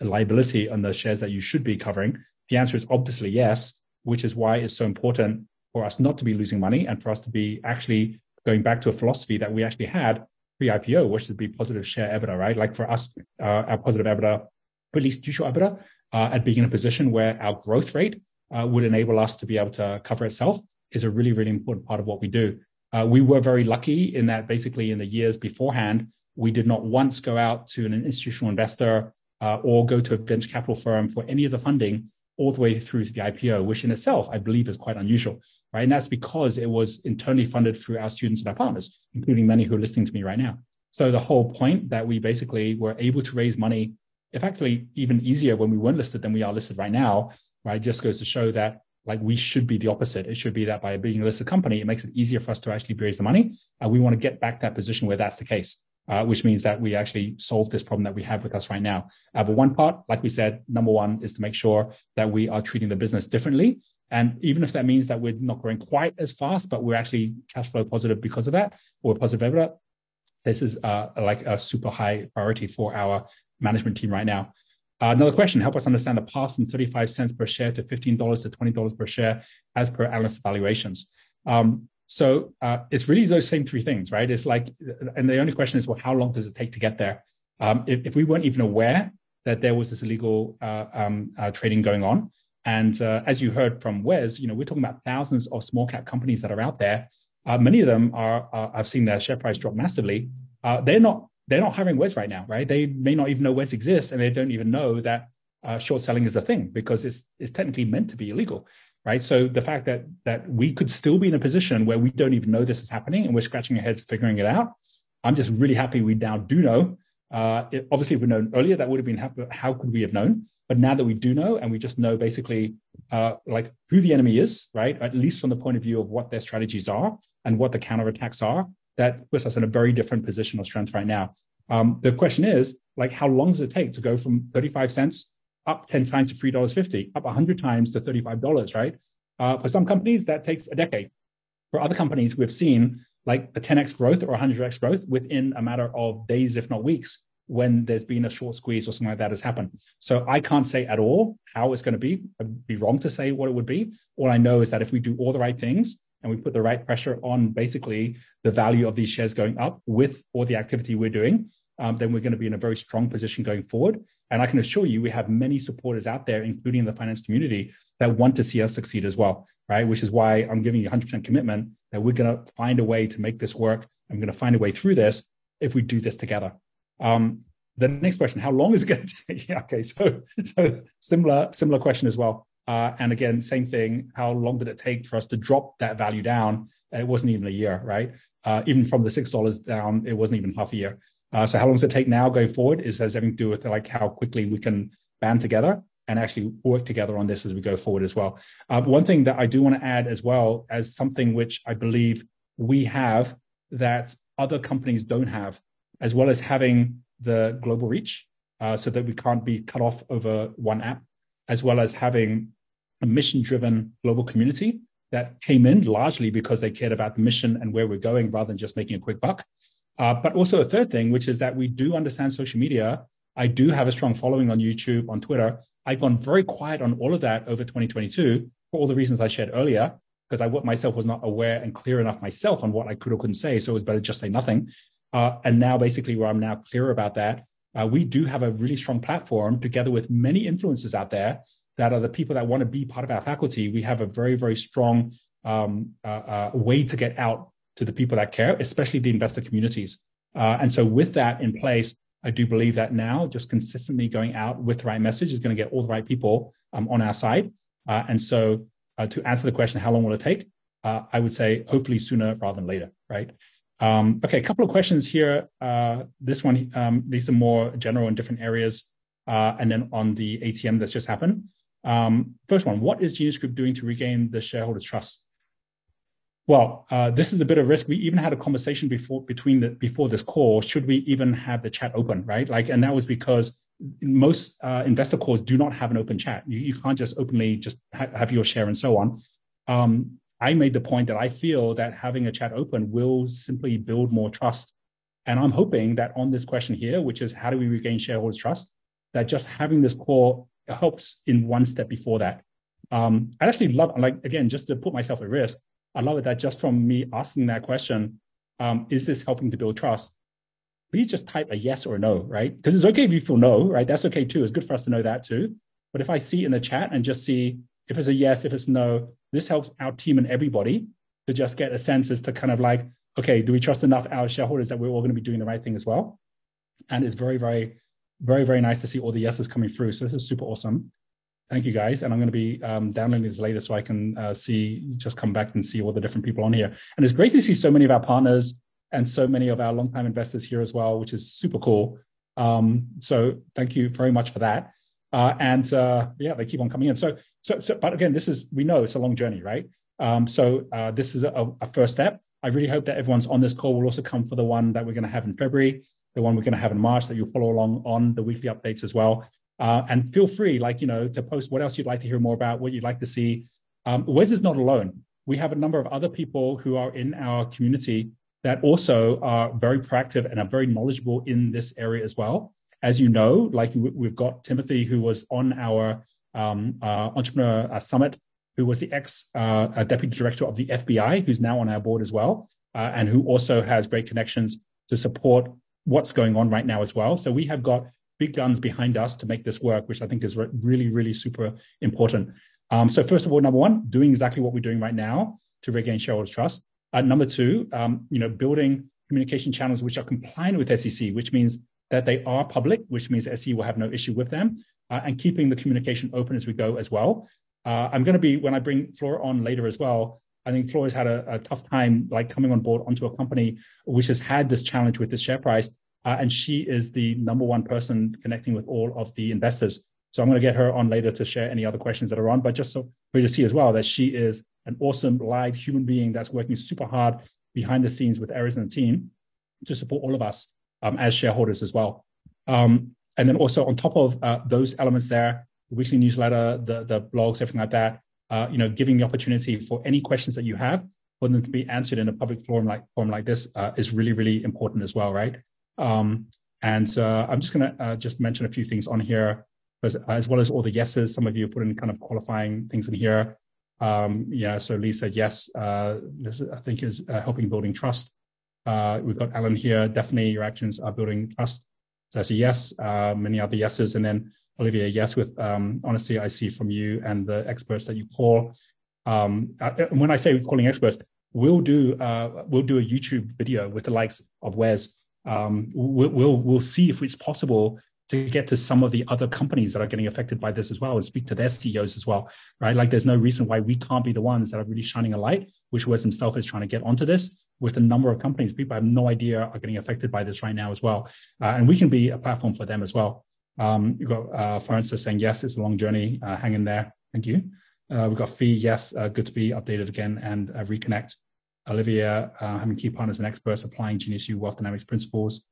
liability on the shares that you should be covering. The answer is obviously yes, which is why it's so important for us not to be losing money and for us to be actually going back to a philosophy that we actually had pre-IPO, which is to be positive share EBITDA, right? Like, for us, our positive EBITDA, at least future EBITDA, and being in a position where our growth rate would enable us to be able to cover itself is a really, really important part of what we do. We were very lucky in that basically in the years beforehand, we did not once go out to an institutional investor, or go to a venture capital firm for any of the funding all the way through to the IPO, which in itself I believe is quite unusual, right? That's because it was internally funded through our students and our partners, including many who are listening to me right now. The whole point that we basically were able to raise money effectively even easier when we weren't listed than we are listed right now, right, just goes to show that, like, we should be the opposite. It should be that by being a listed company, it makes it easier for us to actually raise the money, and we wanna get back to that position where that's the case. Which means that we actually solve this problem that we have with us right now. One part, like we said, number one is to make sure that we are treating the business differently. Even if that means that we're not growing quite as fast, but we're actually cash flow positive because of that, we're positive EBITDA, this is like a super high priority for our management team right now. Another question: "Help us understand the path from $0.35 per share to $15-$20 per share as per analyst valuations." It's really those same three things, right? The only question is, well, how long does it take to get there? If we weren't even aware that there was this illegal trading going on, as you heard from Wes, you know, we're talking about thousands of small cap companies that are out there, many of them are have seen their share price drop massively. They're not, they're not hiring Wes right now, right? They may not even know Wes exists, and they don't even know short selling is a thing because it's technically meant to be illegal, right? The fact that we could still be in a position where we don't even know this is happening and we're scratching our heads figuring it out, I'm just really happy we now do know. Obviously, if we'd known earlier that would have been how could we have known? Now that we do know and we just know basically, like who the enemy is, right, at least from the point of view of what their strategies are and what the counterattacks are, that puts us in a very different position of strength right now. The question is, like how long does it take to go from $0.35 up 10 times to $3.50, up 100 times to $35, right? For some companies, that takes a decade. For other companies, we've seen like a 10x growth or 100x growth within a matter of days, if not weeks, when there's been a short squeeze or something like that has happened. I can't say at all how it's gonna be. I'd be wrong to say what it would be. All I know is that if we do all the right things, and we put the right pressure on basically the value of these shares going up with all the activity we're doing, then we're gonna be in a very strong position going forward. I can assure you, we have many supporters out there, including the finance community, that want to see us succeed as well, right? Which is why I'm giving you a 100% commitment that we're gonna find a way to make this work and we're gonna find a way through this if we do this together. The next question, "How long is it gonna take?" Yeah, okay. So similar question as well. Again, same thing, how long did it take for us to drop that value down? It wasn't even a year, right? Even from the $6 down, it wasn't even half a year. How long does it take now going forward has everything to do with like how quickly we can band together and actually work together on this as we go forward as well. One thing that I do wanna add as well as something which I believe we have that other companies don't have, as well as having the global reach, so that we can't be cut off over one app, as well as having a mission-driven global community that came in largely because they cared about the mission and where we're going rather than just making a quick buck. A third thing, which is that we do understand social media. I do have a strong following on YouTube, on Twitter. I've gone very quiet on all of that over 2022 for all the reasons I shared earlier, 'cause I myself was not aware and clear enough myself on what I could or couldn't say, so it was better to just say nothing. Now basically where I'm now clear about that, we do have a really strong platform together with many influencers out there that are the people that wanna be part of our faculty. We have a very, very strong way to get out to the people that care, especially the investor communities. With that in place, I do believe that now just consistently going out with the right message is gonna get all the right people on our side. To answer the question, how long will it take? I would say hopefully sooner rather than later, right? Okay, couple of questions here. This one, these are more general in different areas, and then on the ATM that's just happened. First one, what is Genius Group doing to regain the shareholders' trust? This is a bit of risk. We even had a conversation before this call, should we even have the chat open, right? That was because most investor calls do not have an open chat. You can't just openly just have your share and so on. I made the point that I feel that having a chat open will simply build more trust. I'm hoping that on this question here, which is how do we regain shareholders' trust, that just having this call helps in one step before that. I'd actually love, again, just to put myself at risk, I love it that just from me asking that question, is this helping to build trust? Please just type a yes or a no, right? 'Cause it's okay if you feel no, right? That's okay too. It's good for us to know that too. If I see in the chat and just see if it's a yes, if it's no, this helps our team and everybody to just get a sense as to kind of like, okay, do we trust enough our shareholders that we're all gonna be doing the right thing as well? It's very nice to see all the yeses coming through. This is super awesome. Thank you, guys, and I'm gonna be downloading this later, so I can just come back and see all the different people on here. It's great to see so many of our partners and so many of our longtime investors here as well, which is super cool. Thank you very much for that. Yeah, they keep on coming in. Again, this is we know it's a long journey, right? This is a first step. I really hope that everyone's on this call will also come for the one that we're gonna have in February, the one we're gonna have in March, that you'll follow along on the weekly updates as well. Feel free, like, you know, to post what else you'd like to hear more about, what you'd like to see. Wes is not alone. We have a number of other people who are in our community that also are very proactive and are very knowledgeable in this area as well. As you know, like we've got Timothy, who was on our entrepreneur summit, who was the ex deputy director of the FBI, who's now on our board as well, and who also has great connections to support what's going on right now as well. We have got big guns behind us to make this work, which I think is really super important. First of all, number one, doing exactly what we're doing right now to regain shareholders' trust. Number two, you know, building communication channels which are compliant with SEC, which means that they are public, which means SEC will have no issue with them, and keeping the communication open as we go as well. I'm gonna when I bring Flora on later as well, I think Flora's had a tough time like coming on board onto a company which has had this challenge with the share price, and she is the number one person connecting with all of the investors. I'm gonna get her on later to share any other questions that are on. Just so for you to see as well that she is an awesome live human being that's working super hard behind the scenes with Erez and the team to support all of us as shareholders as well. Also on top of those elements there, the weekly newsletter, the blogs, everything like that, you know, giving the opportunity for any questions that you have for them to be answered in a public forum like this, is really, really important as well, right? I'm just gonna just mention a few things on here as well as all the yeses. Some of you have put in kind of qualifying things in here. Yeah. Lee said, "Yes, this I think is helping building trust." We've got Alan here. Daphne, your actions are building trust. That's a yes. Many other yeses. Olivia, yes, with honesty I see from you and the experts that you call. When I say calling experts, we'll do a YouTube video with the likes of Wes. We'll see if it's possible to get to some of the other companies that are getting affected by this as well and speak to their CEOs as well, right? Like, there's no reason why we can't be the ones that are really shining a light, which Wes himself is trying to get onto this with a number of companies. People have no idea are getting affected by this right now as well. And we can be a platform for them as well. You've got Francis saying, "Yes, it's a long journey. Hang in there." Thank you. We've got Fi, "Yes. Good to be updated again and reconnect." Olivia, "Having key partners and experts applying GeneSys Wealth Dynamics principles."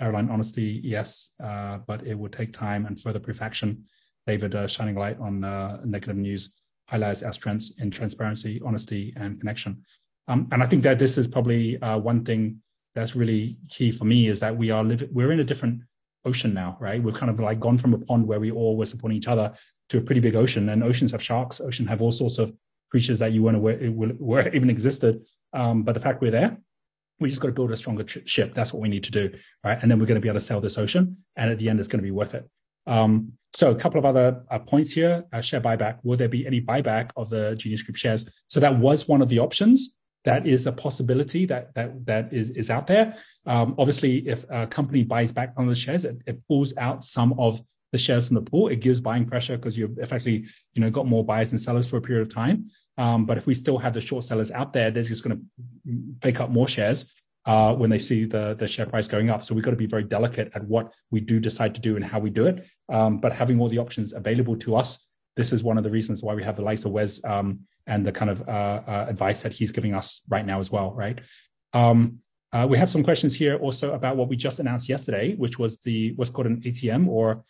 Arlene, "Honesty, yes, but it will take time and further proof action." David, "Shining light on negative news highlights our strengths in transparency, honesty, and connection." I think that this is probably one thing that's really key for me is that we're in a different ocean now, right? We've kind of like gone from a pond where we all were supporting each other to a pretty big ocean, and oceans have sharks. Oceans have all sorts of creatures that you wouldn't have were even existed. The fact we're there, we just gotta build a stronger ship. That's what we need to do, right? Then we're gonna be able to sail this ocean, and at the end, it's gonna be worth it. A couple of other points here. Share buyback. Will there be any buyback of the Genius Group shares? That was one of the options. That is a possibility that is out there. Obviously, if a company buys back one of the shares, it pulls out some of the shares from the pool. It gives buying pressure because you've effectively, you know, got more buyers than sellers for a period of time. If we still have the short sellers out there, they're just gonna pick up more shares when they see the share price going up. We've gotta be very delicate at what we do decide to do and how we do it. Having all the options available to us, this is one of the reasons why we have the likes of Wes, and the kind of advice that he's giving us right now as well, right? We have some questions here also about what we just announced yesterday, which was what's called an ATM or,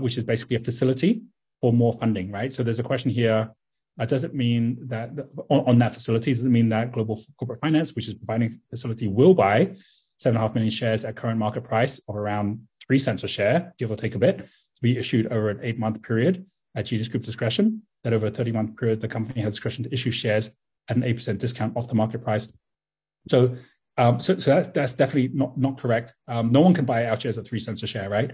which is basically a facility for more funding, right? There's a question here, does it mean that on that facility, does it mean that Global Corporate Finance, which is providing facility, will buy 7.5 million shares at current market price of around $0.03 a share, give or take a bit? To be issued over an 8-month period at Genius Group's discretion. That over a 30-month period, the company has discretion to issue shares at an 8% discount off the market price. That's definitely not correct. No one can buy our shares at $0.03 a share, right?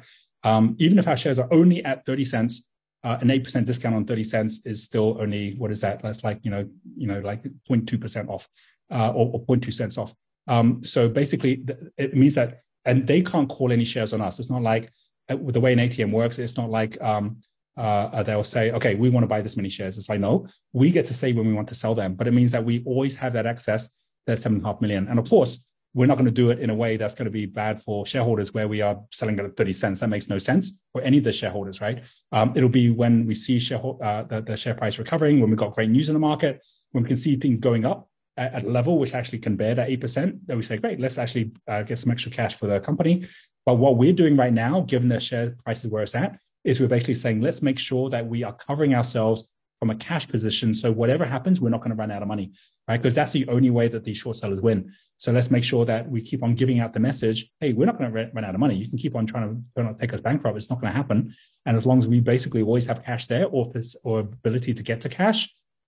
Even if our shares are only at $0.30, an 8% discount on $0.30 is still only, what is that? That's like, you know, like 0.2% off, or $0.002 off. Basically, it means that and they can't call any shares on us. It's not like, with the way an ATM works, it's not like, they'll say, "Okay, we wanna buy this many shares." It's like, "No, we get to say when we want to sell them." It means that we always have that access, that $7.5 million. Of course, we're not gonna do it in a way that's gonna be bad for shareholders where we are selling it at $0.30. That makes no sense for any of the shareholders, right? It'll be when we see the share price recovering, when we've got great news in the market, when we can see things going up at a level which actually can bear that 8%, then we say, "Great, let's actually get some extra cash for the company." What we're doing right now, given the share price of where it's at, is we're basically saying, "Let's make sure that we are covering ourselves from a cash position, so whatever happens, we're not gonna run out of money," right? Because that's the only way that these short sellers win. Let's make sure that we keep on giving out the message, "Hey, we're not gonna run out of money. You can keep on trying to take us bankrupt. It's not gonna happen. As long as we basically always have cash there or ability to get to cash,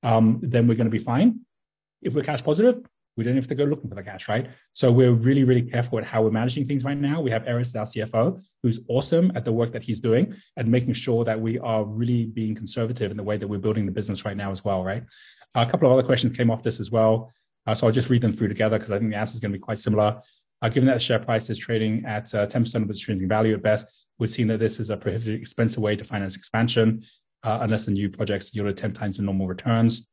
then we're gonna be fine. If we're cash positive, we don't have to go looking for the cash, right? We're really, really careful at how we're managing things right now. We have Erez, our CFO, who's awesome at the work that he's doing at making sure that we are really being conservative in the way that we're building the business right now as well, right? A couple of other questions came off this as well. I'll just read them through together because I think the answer is gonna be quite similar. Given that the share price is trading at 10% of its intrinsic value at best, would seeing that this as a prohibitively expensive way to finance expansion, unless the new projects yield 10 times the normal returns.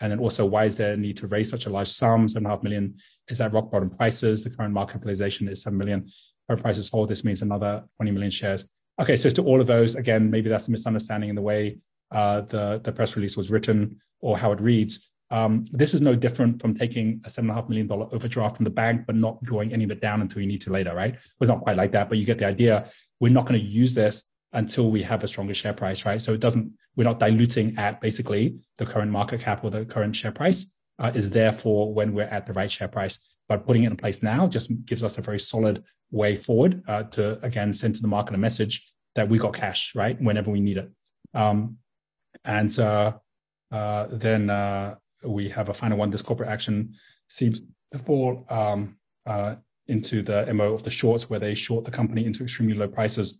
Also why is there a need to raise such a large sum, $7.5 million? Is that rock bottom prices? The current market capitalization is $7 million. Current price is $4. This means another 20 million shares. To all of those, again, maybe that's a misunderstanding in the way the press release was written or how it reads. This is no different from taking a $7.5 million overdraft from the bank but not drawing any of it down until you need to later, right? Not quite like that, but you get the idea. We're not gonna use this until we have a stronger share price, right? We're not diluting at basically the current market cap or the current share price. It's there for when we're at the right share price. Putting it in place now just gives us a very solid way forward, to again send to the market a message that we got cash, right, whenever we need it. We have a final one. This corporate action seems to fall into the MO of the shorts where they short the company into extremely low prices,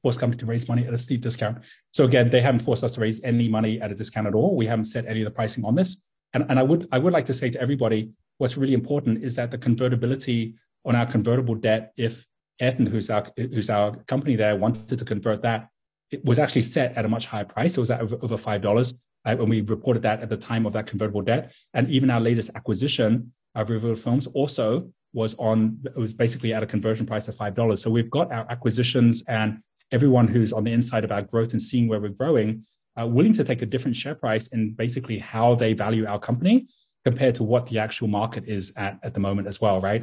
force company to raise money at a steep discount. Again, they haven't forced us to raise any money at a discount at all. We haven't set any of the pricing on this. I would like to say to everybody, what's really important is that the convertibility on our convertible debt, if Ayrton, who's our company there, wanted to convert that, it was actually set at a much higher price. It was at over $5 when we reported that at the time of that convertible debt. Even our latest acquisition of Revealed Films also was basically at a conversion price of $5. We've got our acquisitions and everyone who's on the inside of our growth and seeing where we're growing are willing to take a different share price in basically how they value our company compared to what the actual market is at the moment as well, right?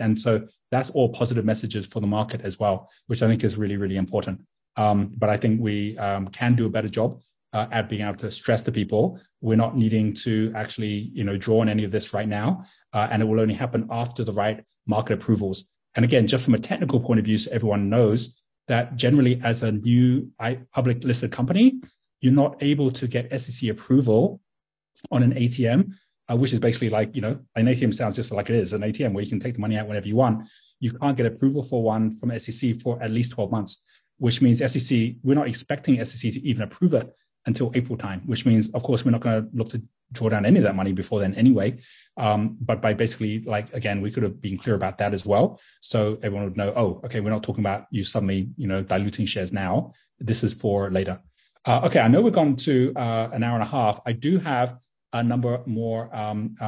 That's all positive messages for the market as well, which I think is really, really important. I think we can do a better job at being able to stress to people we're not needing to actually, you know, draw on any of this right now. It will only happen after the right market approvals. Again, just from a technical point of view, so everyone knows that generally as a new public listed company, you're not able to get SEC approval on an ATM, which is basically like An ATM sounds just like it is, an ATM where you can take the money out whenever you want. You can't get approval for one from SEC for at least 12 months, which means we're not expecting SEC to even approve it until April time. Of course, we're not gonna look to draw down any of that money before then anyway. By basically, like, again, we could have been clear about that as well, so everyone would know, "Oh, okay, we're not talking about you suddenly, you know, diluting shares now. This is for later." Okay, I know we've gone to 1.5 hours. I do have a number more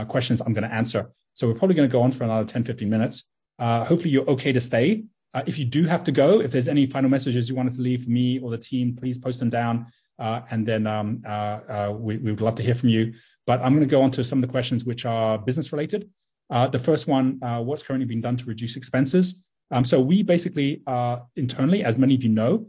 questions I'm gonna answer, so we're probably gonna go on for another 10-15 minutes. Hopefully, you're okay to stay. If you do have to go, if there's any final messages you wanted to leave for me or the team, please post them down, and then we would love to hear from you. I'm gonna go on to some of the questions which are business related. The first one, what's currently being done to reduce expenses? We basically, internally, as many of you know,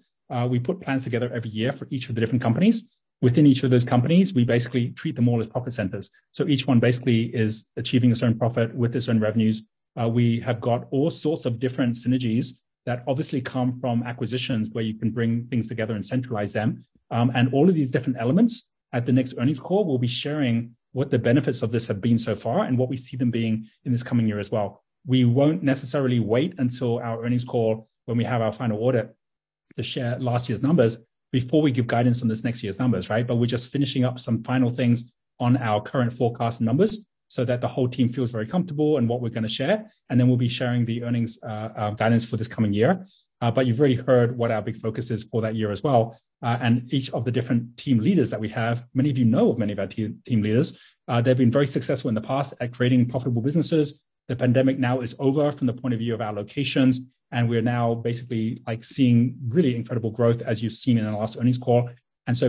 we put plans together every year for each of the different companies. Within each of those companies, we basically treat them all as profit centers, so each one basically is achieving a certain profit with its own revenues. We have got all sorts of different synergies that obviously come from acquisitions where you can bring things together and centralize them. All of these different elements at the next earnings call, we'll be sharing what the benefits of this have been so far and what we see them being in this coming year as well. We won't necessarily wait until our earnings call when we have our final audit to share last year's numbers before we give guidance on this next year's numbers, right? We're just finishing up some final things on our current forecast numbers so that the whole team feels very comfortable in what we're gonna share, and then we'll be sharing the earnings guidance for this coming year. You've already heard what our big focus is for that year as well. Each of the different team leaders that we have, many of you know of many of our team leaders. They've been very successful in the past at creating profitable businesses. The pandemic now is over from the point of view of our locations, and we are now basically, like, seeing really incredible growth, as you've seen in our last earnings call.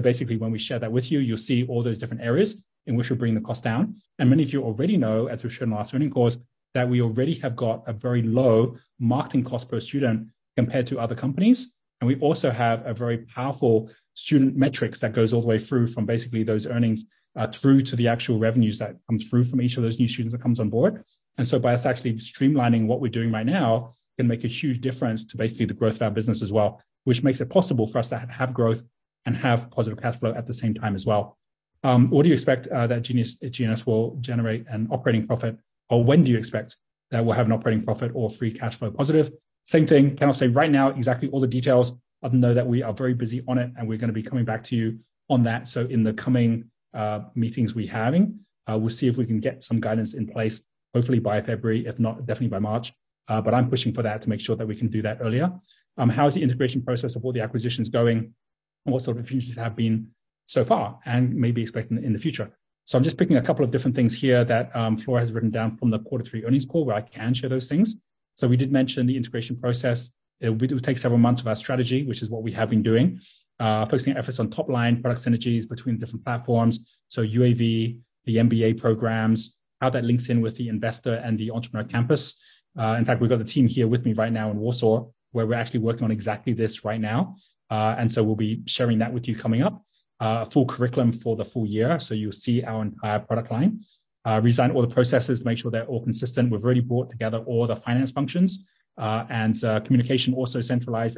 Basically, when we share that with you'll see all those different areas in which we're bringing the cost down. Many of you already know, as we've shown in last earnings calls, that we already have got a very low marketing cost per student compared to other companies. We also have a very powerful student metrics that goes all the way through from basically those earnings, through to the actual revenues that comes through from each of those new students that comes on board. By us actually streamlining what we're doing right now can make a huge difference to basically the growth of our business as well, which makes it possible for us to have growth and have positive cash flow at the same time as well. Do you expect that GNS will generate an operating profit? When do you expect that we'll have an operating profit or free cash flow positive? Same thing. Cannot say right now exactly all the details. Other than know that we are very busy on it, and we're going to be coming back to you on that. In the coming meetings we're having, we'll see if we can get some guidance in place, hopefully by February, if not, definitely by March. I'm pushing for that to make sure that we can do that earlier. How is the integration process of all the acquisitions going? What sort of efficiencies have been so far and maybe expecting in the future? I'm just picking a couple of different things here that Flora has written down from the quarter three earnings call where I can share those things. We did mention the integration process. It will do take several months of our strategy, which is what we have been doing. Focusing efforts on top-line product synergies between different platforms. UAV, the MBA programs, how that links in with the investor and the entrepreneur campus. In fact, we've got the team here with me right now in Warsaw, where we're actually working on exactly this right now. We'll be sharing that with you coming up. Full curriculum for the full year, you'll see our entire product line. Redesign all the processes to make sure they're all consistent. We've already brought together all the finance functions, communication also centralized,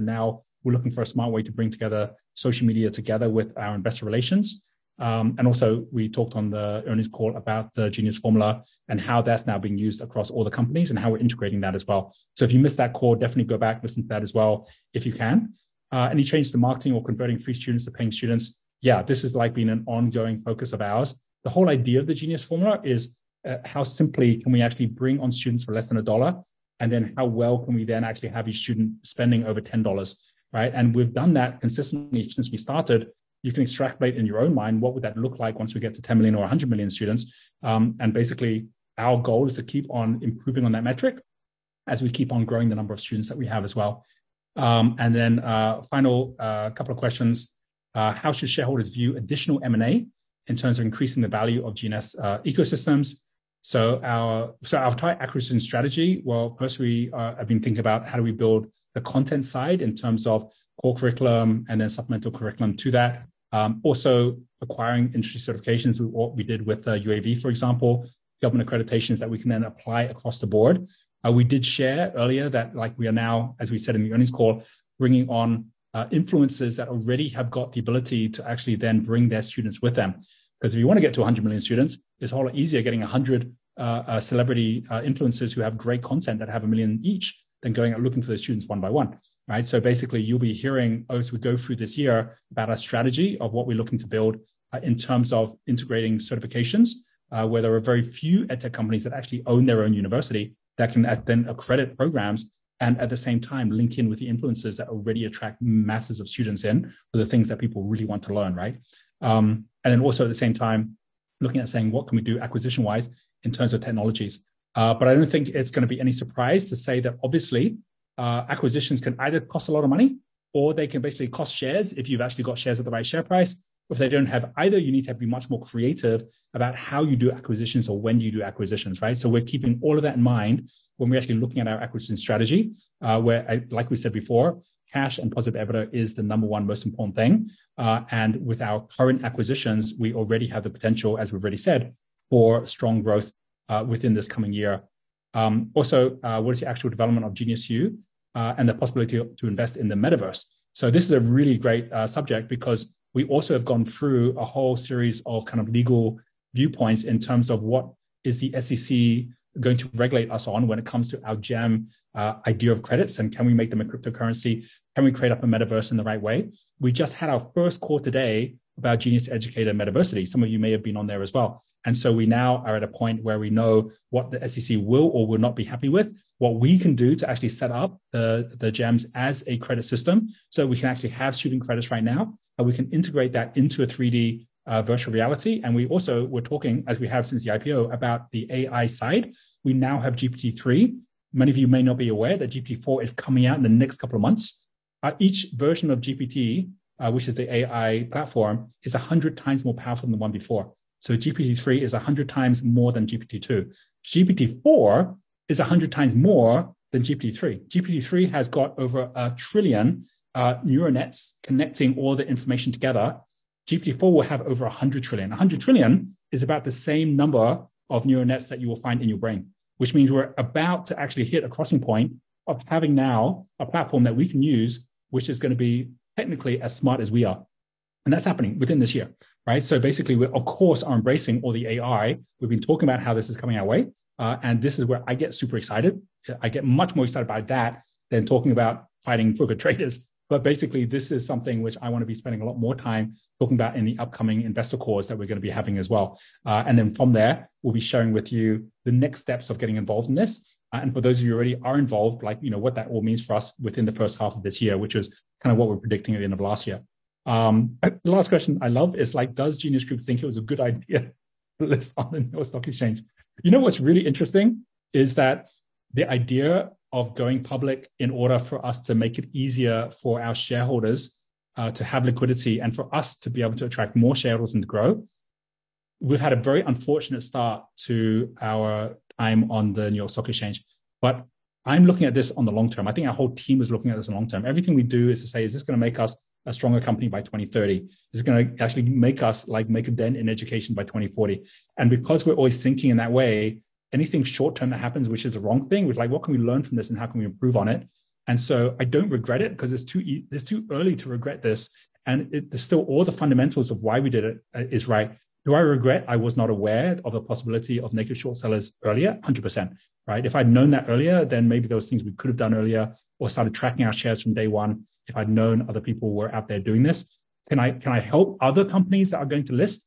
we're looking for a smart way to bring together social media together with our investor relations. We talked on the earnings call about the Genius Formula and how that's now being used across all the companies and how we're integrating that as well. If you missed that call, definitely go back, listen to that as well if you can. Any change to marketing or converting free students to paying students? This has, like, been an ongoing focus of ours. The whole idea of the Genius Formula is how simply can we actually bring on students for less than $1, and then how well can we then actually have a student spending over $10, right? We've done that consistently since we started. You can extrapolate in your own mind what would that look like once we get to 10 million or 100 million students. Basically, our goal is to keep on improving on that metric as we keep on growing the number of students that we have as well. Then, final couple of questions. How should shareholders view additional M&A in terms of increasing the value of GNS ecosystems? Our tight acquisition strategy, well, first we have been thinking about how do we build the content side in terms of core curriculum and then supplemental curriculum to that. Also acquiring industry certifications with what we did with UAV, for example, government accreditations that we can then apply across the board. We did share earlier that, like, we are now, as we said in the earnings call, bringing on influencers that already have got the ability to actually then bring their students with them. If you wanna get to 100 million students, it's a whole lot easier getting 100 celebrity influencers who have great content that have 1 million each than going out looking for those students one by one, right? Basically, you'll be hearing as we go through this year about our strategy of what we're looking to build in terms of integrating certifications, where there are very few EdTech companies that actually own their own university that can accredit programs and at the same time link in with the influencers that already attract masses of students in for the things that people really want to learn, right? Also at the same time, looking at saying, "What can we do acquisition-wise in terms of technologies?" I don't think it's gonna be any surprise to say that obviously, acquisitions can either cost a lot of money or they can basically cost shares if you've actually got shares at the right share price. If they don't have either, you need to have to be much more creative about how you do acquisitions or when do you do acquisitions, right? We're keeping all of that in mind when we're actually looking at our acquisition strategy, where, like we said before, cash and positive EBITDA is the number one most important thing. With our current acquisitions, we already have the potential, as we've already said, for strong growth within this coming year. Also, what is the actual development of GeniusU and the possibility to invest in the Metaverse? This is a really great subject because we also have gone through a whole series of kind of legal viewpoints in terms of what is the SEC going to regulate us on when it comes to our GEMs idea of credits, and can we make them a cryptocurrency? Can we create up a Metaverse in the right way? We just had our first call today about Genius Educator Metaversity. Some of you may have been on there as well. We now are at a point where we know what the SEC will or will not be happy with, what we can do to actually set up the GEMs as a credit system, so we can actually have student credits right now, and we can integrate that into a 3D virtual reality. We also were talking, as we have since the IPO, about the AI side. We now have GPT-3. Many of you may not be aware that GPT-4 is coming out in the next couple of months. Each version of GPT, which is the AI platform, is 100 times more powerful than the one before. So GPT-3 is 100 times more than GPT-2. GPT-4 is 100 times more than GPT-3. GPT-3 has got over 1 trillion neuronets connecting all the information together. GPT-4 will have over 100 trillion. 100 trillion is about the same number of neuronets that you will find in your brain, which means we're about to actually hit a crossing point of having now a platform that we can use which is gonna be technically as smart as we are. That's happening within this year, right? Basically, we of course are embracing all the AI. We've been talking about how this is coming our way, and this is where I get super excited. I get much more excited by that than talking about fighting crooked traders. Basically, this is something which I wanna be spending a lot more time talking about in the upcoming investor calls that we're gonna be having as well. Then from there, we'll be sharing with you the next steps of getting involved in this, for those of you who already are involved, like, you know, what that all means for us within the first half of this year, which is kind of what we're predicting at the end of last year. The last question I love is, like, does Genius Group think it was a good idea to list on the New York Stock Exchange? You know what's really interesting is that the idea of going public in order for us to make it easier for our shareholders, to have liquidity and for us to be able to attract more shareholders and to grow, we've had a very unfortunate start to our time on the New York Stock Exchange, I'm looking at this on the long term. I think our whole team is looking at this on long term. Everything we do is to say, "Is this gonna make us a stronger company by 2030? Is it gonna actually make us, like, make a dent in education by 2040?" Because we're always thinking in that way, anything short-term that happens which is the wrong thing, it's like, "What can we learn from this and how can we improve on it?" So I don't regret it, 'cause it's too early to regret this, and there's still all the fundamentals of why we did it, is right. Do I regret I was not aware of the possibility of naked short sellers earlier? 100%, right? If I'd known that earlier, then maybe there was things we could have done earlier or started tracking our shares from day one if I'd known other people were out there doing this. Can I help other companies that are going to list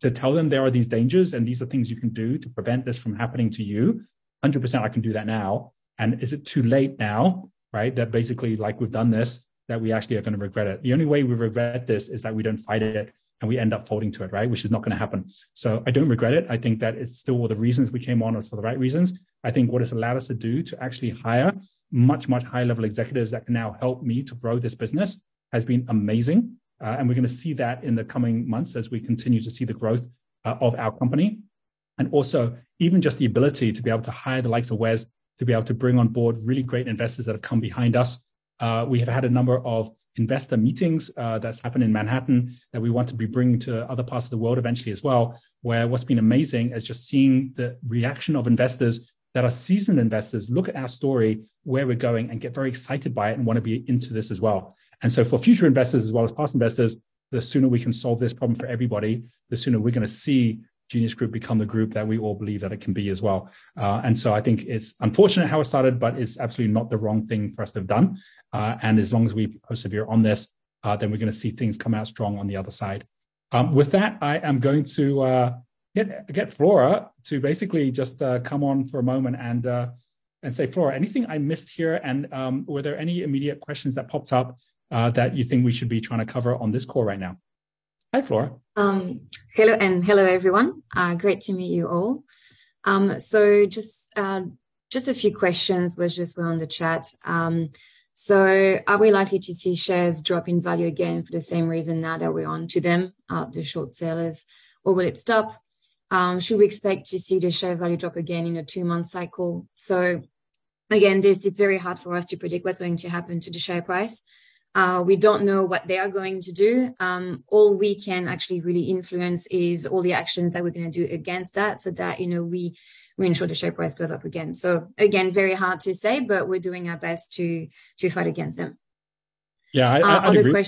to tell them there are these dangers, and these are things you can do to prevent this from happening to you? 100% I can do that now. Is it too late now, right, that basically, like, we've done this, that we actually are gonna regret it? The only way we regret this is that we don't fight it, and we end up folding to it, right? Which is not gonna happen. I don't regret it. I think that it's still all the reasons we came on was for the right reasons. I think what it's allowed us to do to actually hire much, much higher level executives that can now help me to grow this business has been amazing, and we're gonna see that in the coming months as we continue to see the growth of our company. Also, even just the ability to be able to hire the likes of Wes, to be able to bring on board really great investors that have come behind us. We have had a number of investor meetings that's happened in Manhattan that we want to be bringing to other parts of the world eventually as well, where what's been amazing is just seeing the reaction of investors that are seasoned investors look at our story, where we're going, and get very excited by it and wanna be into this as well. For future investors as well as past investors, the sooner we can solve this problem for everybody, the sooner we're gonna see Genius Group become the group that we all believe that it can be as well. I think it's unfortunate how it started, but it's absolutely not the wrong thing for us to have done. As long as we persevere on this, then we're gonna see things come out strong on the other side. With that, I am going to get Flora to basically just come on for a moment and say, Flora, anything I missed here, and were there any immediate questions that popped up that you think we should be trying to cover on this call right now? Hi, Flora. Hello, Roger, and hello, everyone. Great to meet you all. Just a few questions which just were on the chat. Are we likely to see shares drop in value again for the same reason now that we're onto them, the short sellers, or will it stop? Should we expect to see the share value drop again in a two-month cycle? Again, this, it's very hard for us to predict what's going to happen to the share price. We don't know what they are going to do. All we can actually really influence is all the actions that we're gonna do against that so that, you know, we ensure the share price goes up again. Again, very hard to say, but we're doing our best to fight against them. Yeah, I agree.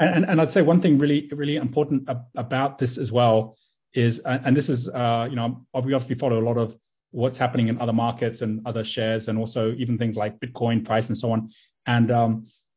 I'd say one thing really, really important about this as well is. And this is, you know, obviously follow a lot of what's happening in other markets and other shares, and also even things like Bitcoin price and so on.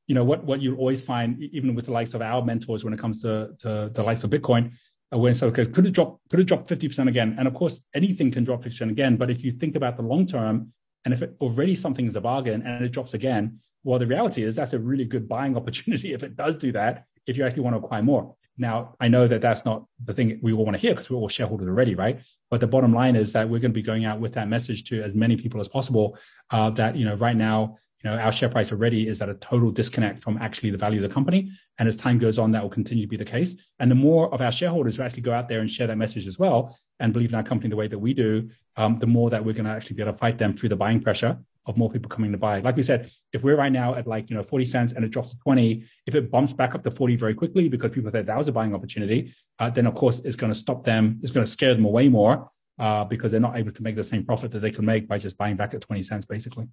You know what you always find even with the likes of our mentors when it comes to the likes of Bitcoin. Okay, could it drop 50% again? Of course, anything can drop 50% again. If you think about the long term, and if it already something is a bargain and it drops again, well, the reality is that's a really good buying opportunity if it does do that if you actually wanna acquire more. Now, I know that that's not the thing we all wanna hear 'cause we're all shareholders already, right? The bottom line is that we're gonna be going out with that message to as many people as possible, that, you know, right now, you know, our share price already is at a total disconnect from actually the value of the company. As time goes on, that will continue to be the case. The more of our shareholders who actually go out there and share that message as well and believe in our company the way that we do, the more that we're gonna actually be able to fight them through the buying pressure of more people coming to buy. Like we said, if we're right now at, like, you know, $0.40 and it drops to $0.20, if it bumps back up to $0.40 very quickly because people said that was a buying opportunity, then of course it's gonna stop them. It's gonna scare them away more, because they're not able to make the same profit that they can make by just buying back at $0.20, basically.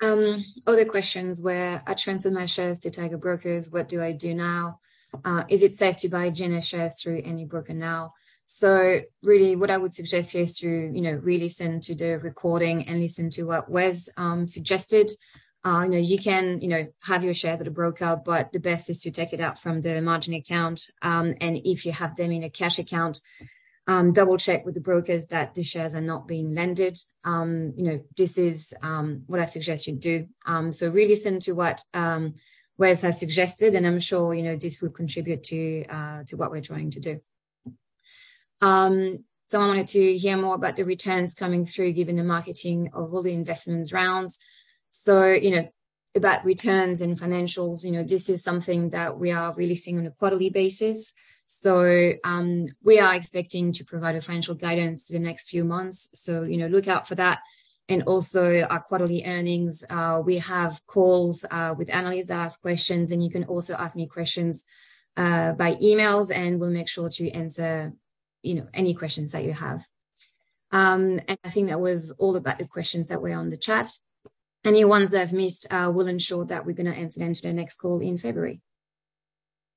Other questions were, I transferred my shares to Tiger Brokers, what do I do now? Is it safe to buy Genius shares through any broker now? Really what I would suggest here is to, you know, re-listen to the recording and listen to what Wes suggested. You know, you can, you know, have your shares at a broker, but the best is to take it out from the margin account. And if you have them in a cash account, double-check with the brokers that the shares are not being lended. You know, this is what I suggest you do. Re-listen to what Wes has suggested, and I'm sure, you know, this will contribute to what we're trying to do. Someone wanted to hear more about the returns coming through given the marketing of all the investments rounds. You know, about returns and financials, you know, this is something that we are releasing on a quarterly basis. We are expecting to provide a financial guidance in the next few months. You know, look out for that. Also our quarterly earnings, we have calls with analysts that ask questions, and you can also ask me questions by emails, and we'll make sure to answer, you know, any questions that you have. I think that was all about the questions that were on the chat. Any ones that I've missed, we'll ensure that we're gonna answer them to the next call in February.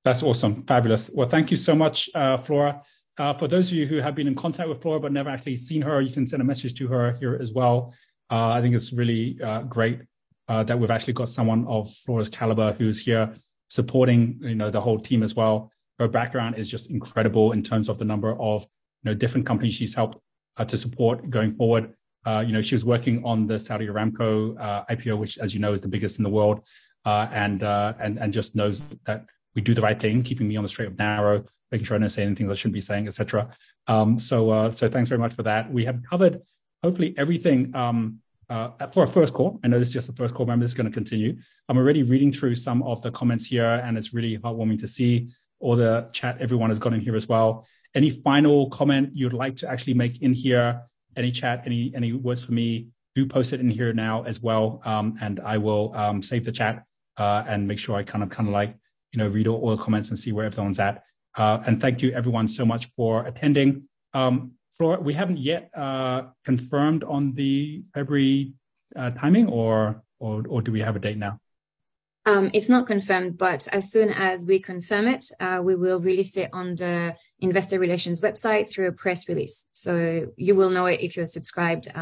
That's awesome. Fabulous. Thank you so much, Flora. For those of you who have been in contact with Flora but never actually seen her, you can send a message to her here as well. I think it's really great that we've actually got someone of Flora's caliber who's here supporting, you know, the whole team as well. Her background is just incredible in terms of the number of, you know, different companies she's helped to support going forward. You know, she was working on the Saudi Aramco IPO, which, as you know, is the biggest in the world, and just knows that we do the right thing, keeping me on the straight and narrow, making sure I don't say anything that I shouldn't be saying, etc. Thanks very much for that. We have covered hopefully everything for our first call. I know this is just the first call, but I'm just gonna continue. I'm already reading through some of the comments here, it's really heartwarming to see all the chat everyone has gotten in here as well. Any final comment you'd like to actually make in here, any chat, any words for me, do post it in here now as well. I will save the chat and make sure I kind of like, you know, read all comments and see where everyone's at. Thank you everyone so much for attending. Flora, we haven't yet confirmed on the February timing or, or do we have a date now? It's not confirmed, but as soon as we confirm it, we will release it on the investor relations website through a press release. You will know it if you're subscribed to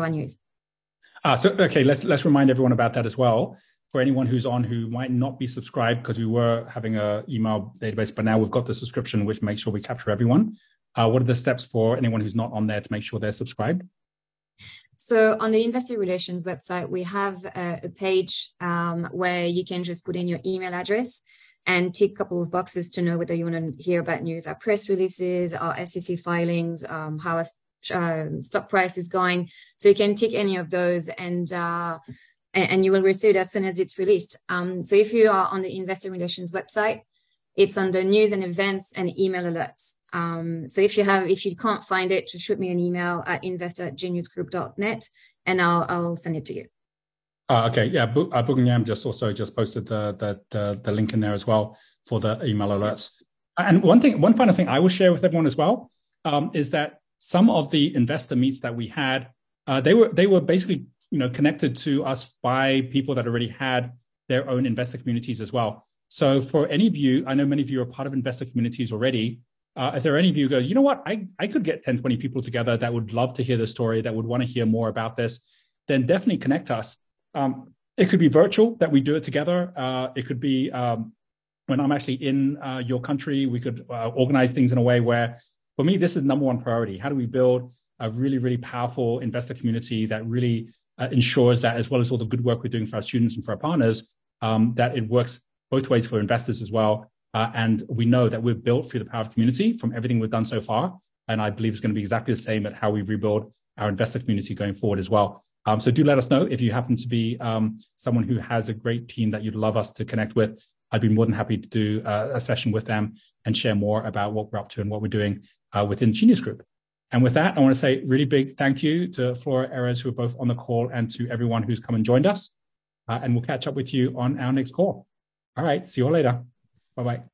our news. Okay, let's remind everyone about that as well. For anyone who's on who might not be subscribed, 'cause we were having an email database, but now we've got the subscription which makes sure we capture everyone. What are the steps for anyone who's not on there to make sure they're subscribed? On the investor relations website, we have a page where you can just put in your email address and tick a couple of boxes to know whether you wanna hear about news, our press releases, our SEC filings, how our stock price is going. You can tick any of those and you will receive it as soon as it's released. If you are on the investor relations website, it's under news and events and email alerts. If you can't find it, just shoot me an email at investor@geniusgroup.net, and I'll send it to you. Oh, okay. Yeah. Bookingam just also just posted the link in there as well for the email alerts. One final thing I will share with everyone as well, is that some of the investor meets that we had, they were basically, you know, connected to us by people that already had their own investor communities as well. For any of you, I know many of you are part of investor communities already. If there are any of you who go, "You know what? I could get 10-20 people together that would love to hear this story, that would wanna hear more about this," then definitely connect us. It could be virtual, that we do it together. It could be, when I'm actually in, your country, we could organize things in a way where, for me, this is number one priority. How do we build a really, really powerful investor community that really ensures that, as well as all the good work we're doing for our students and for our partners, that it works both ways for investors as well. We know that we're built through the power of community from everything we've done so far, and I believe it's gonna be exactly the same at how we rebuild our investor community going forward as well. Do let us know if you happen to be someone who has a great team that you'd love us to connect with. I'd be more than happy to do a session with them and share more about what we're up to and what we're doing within Genius Group. With that, I wanna say a really big thank you to Flora, Ares, who are both on the call, and to everyone who's come and joined us, and we'll catch up with you on our next call. All right. See you all later. Bye-bye.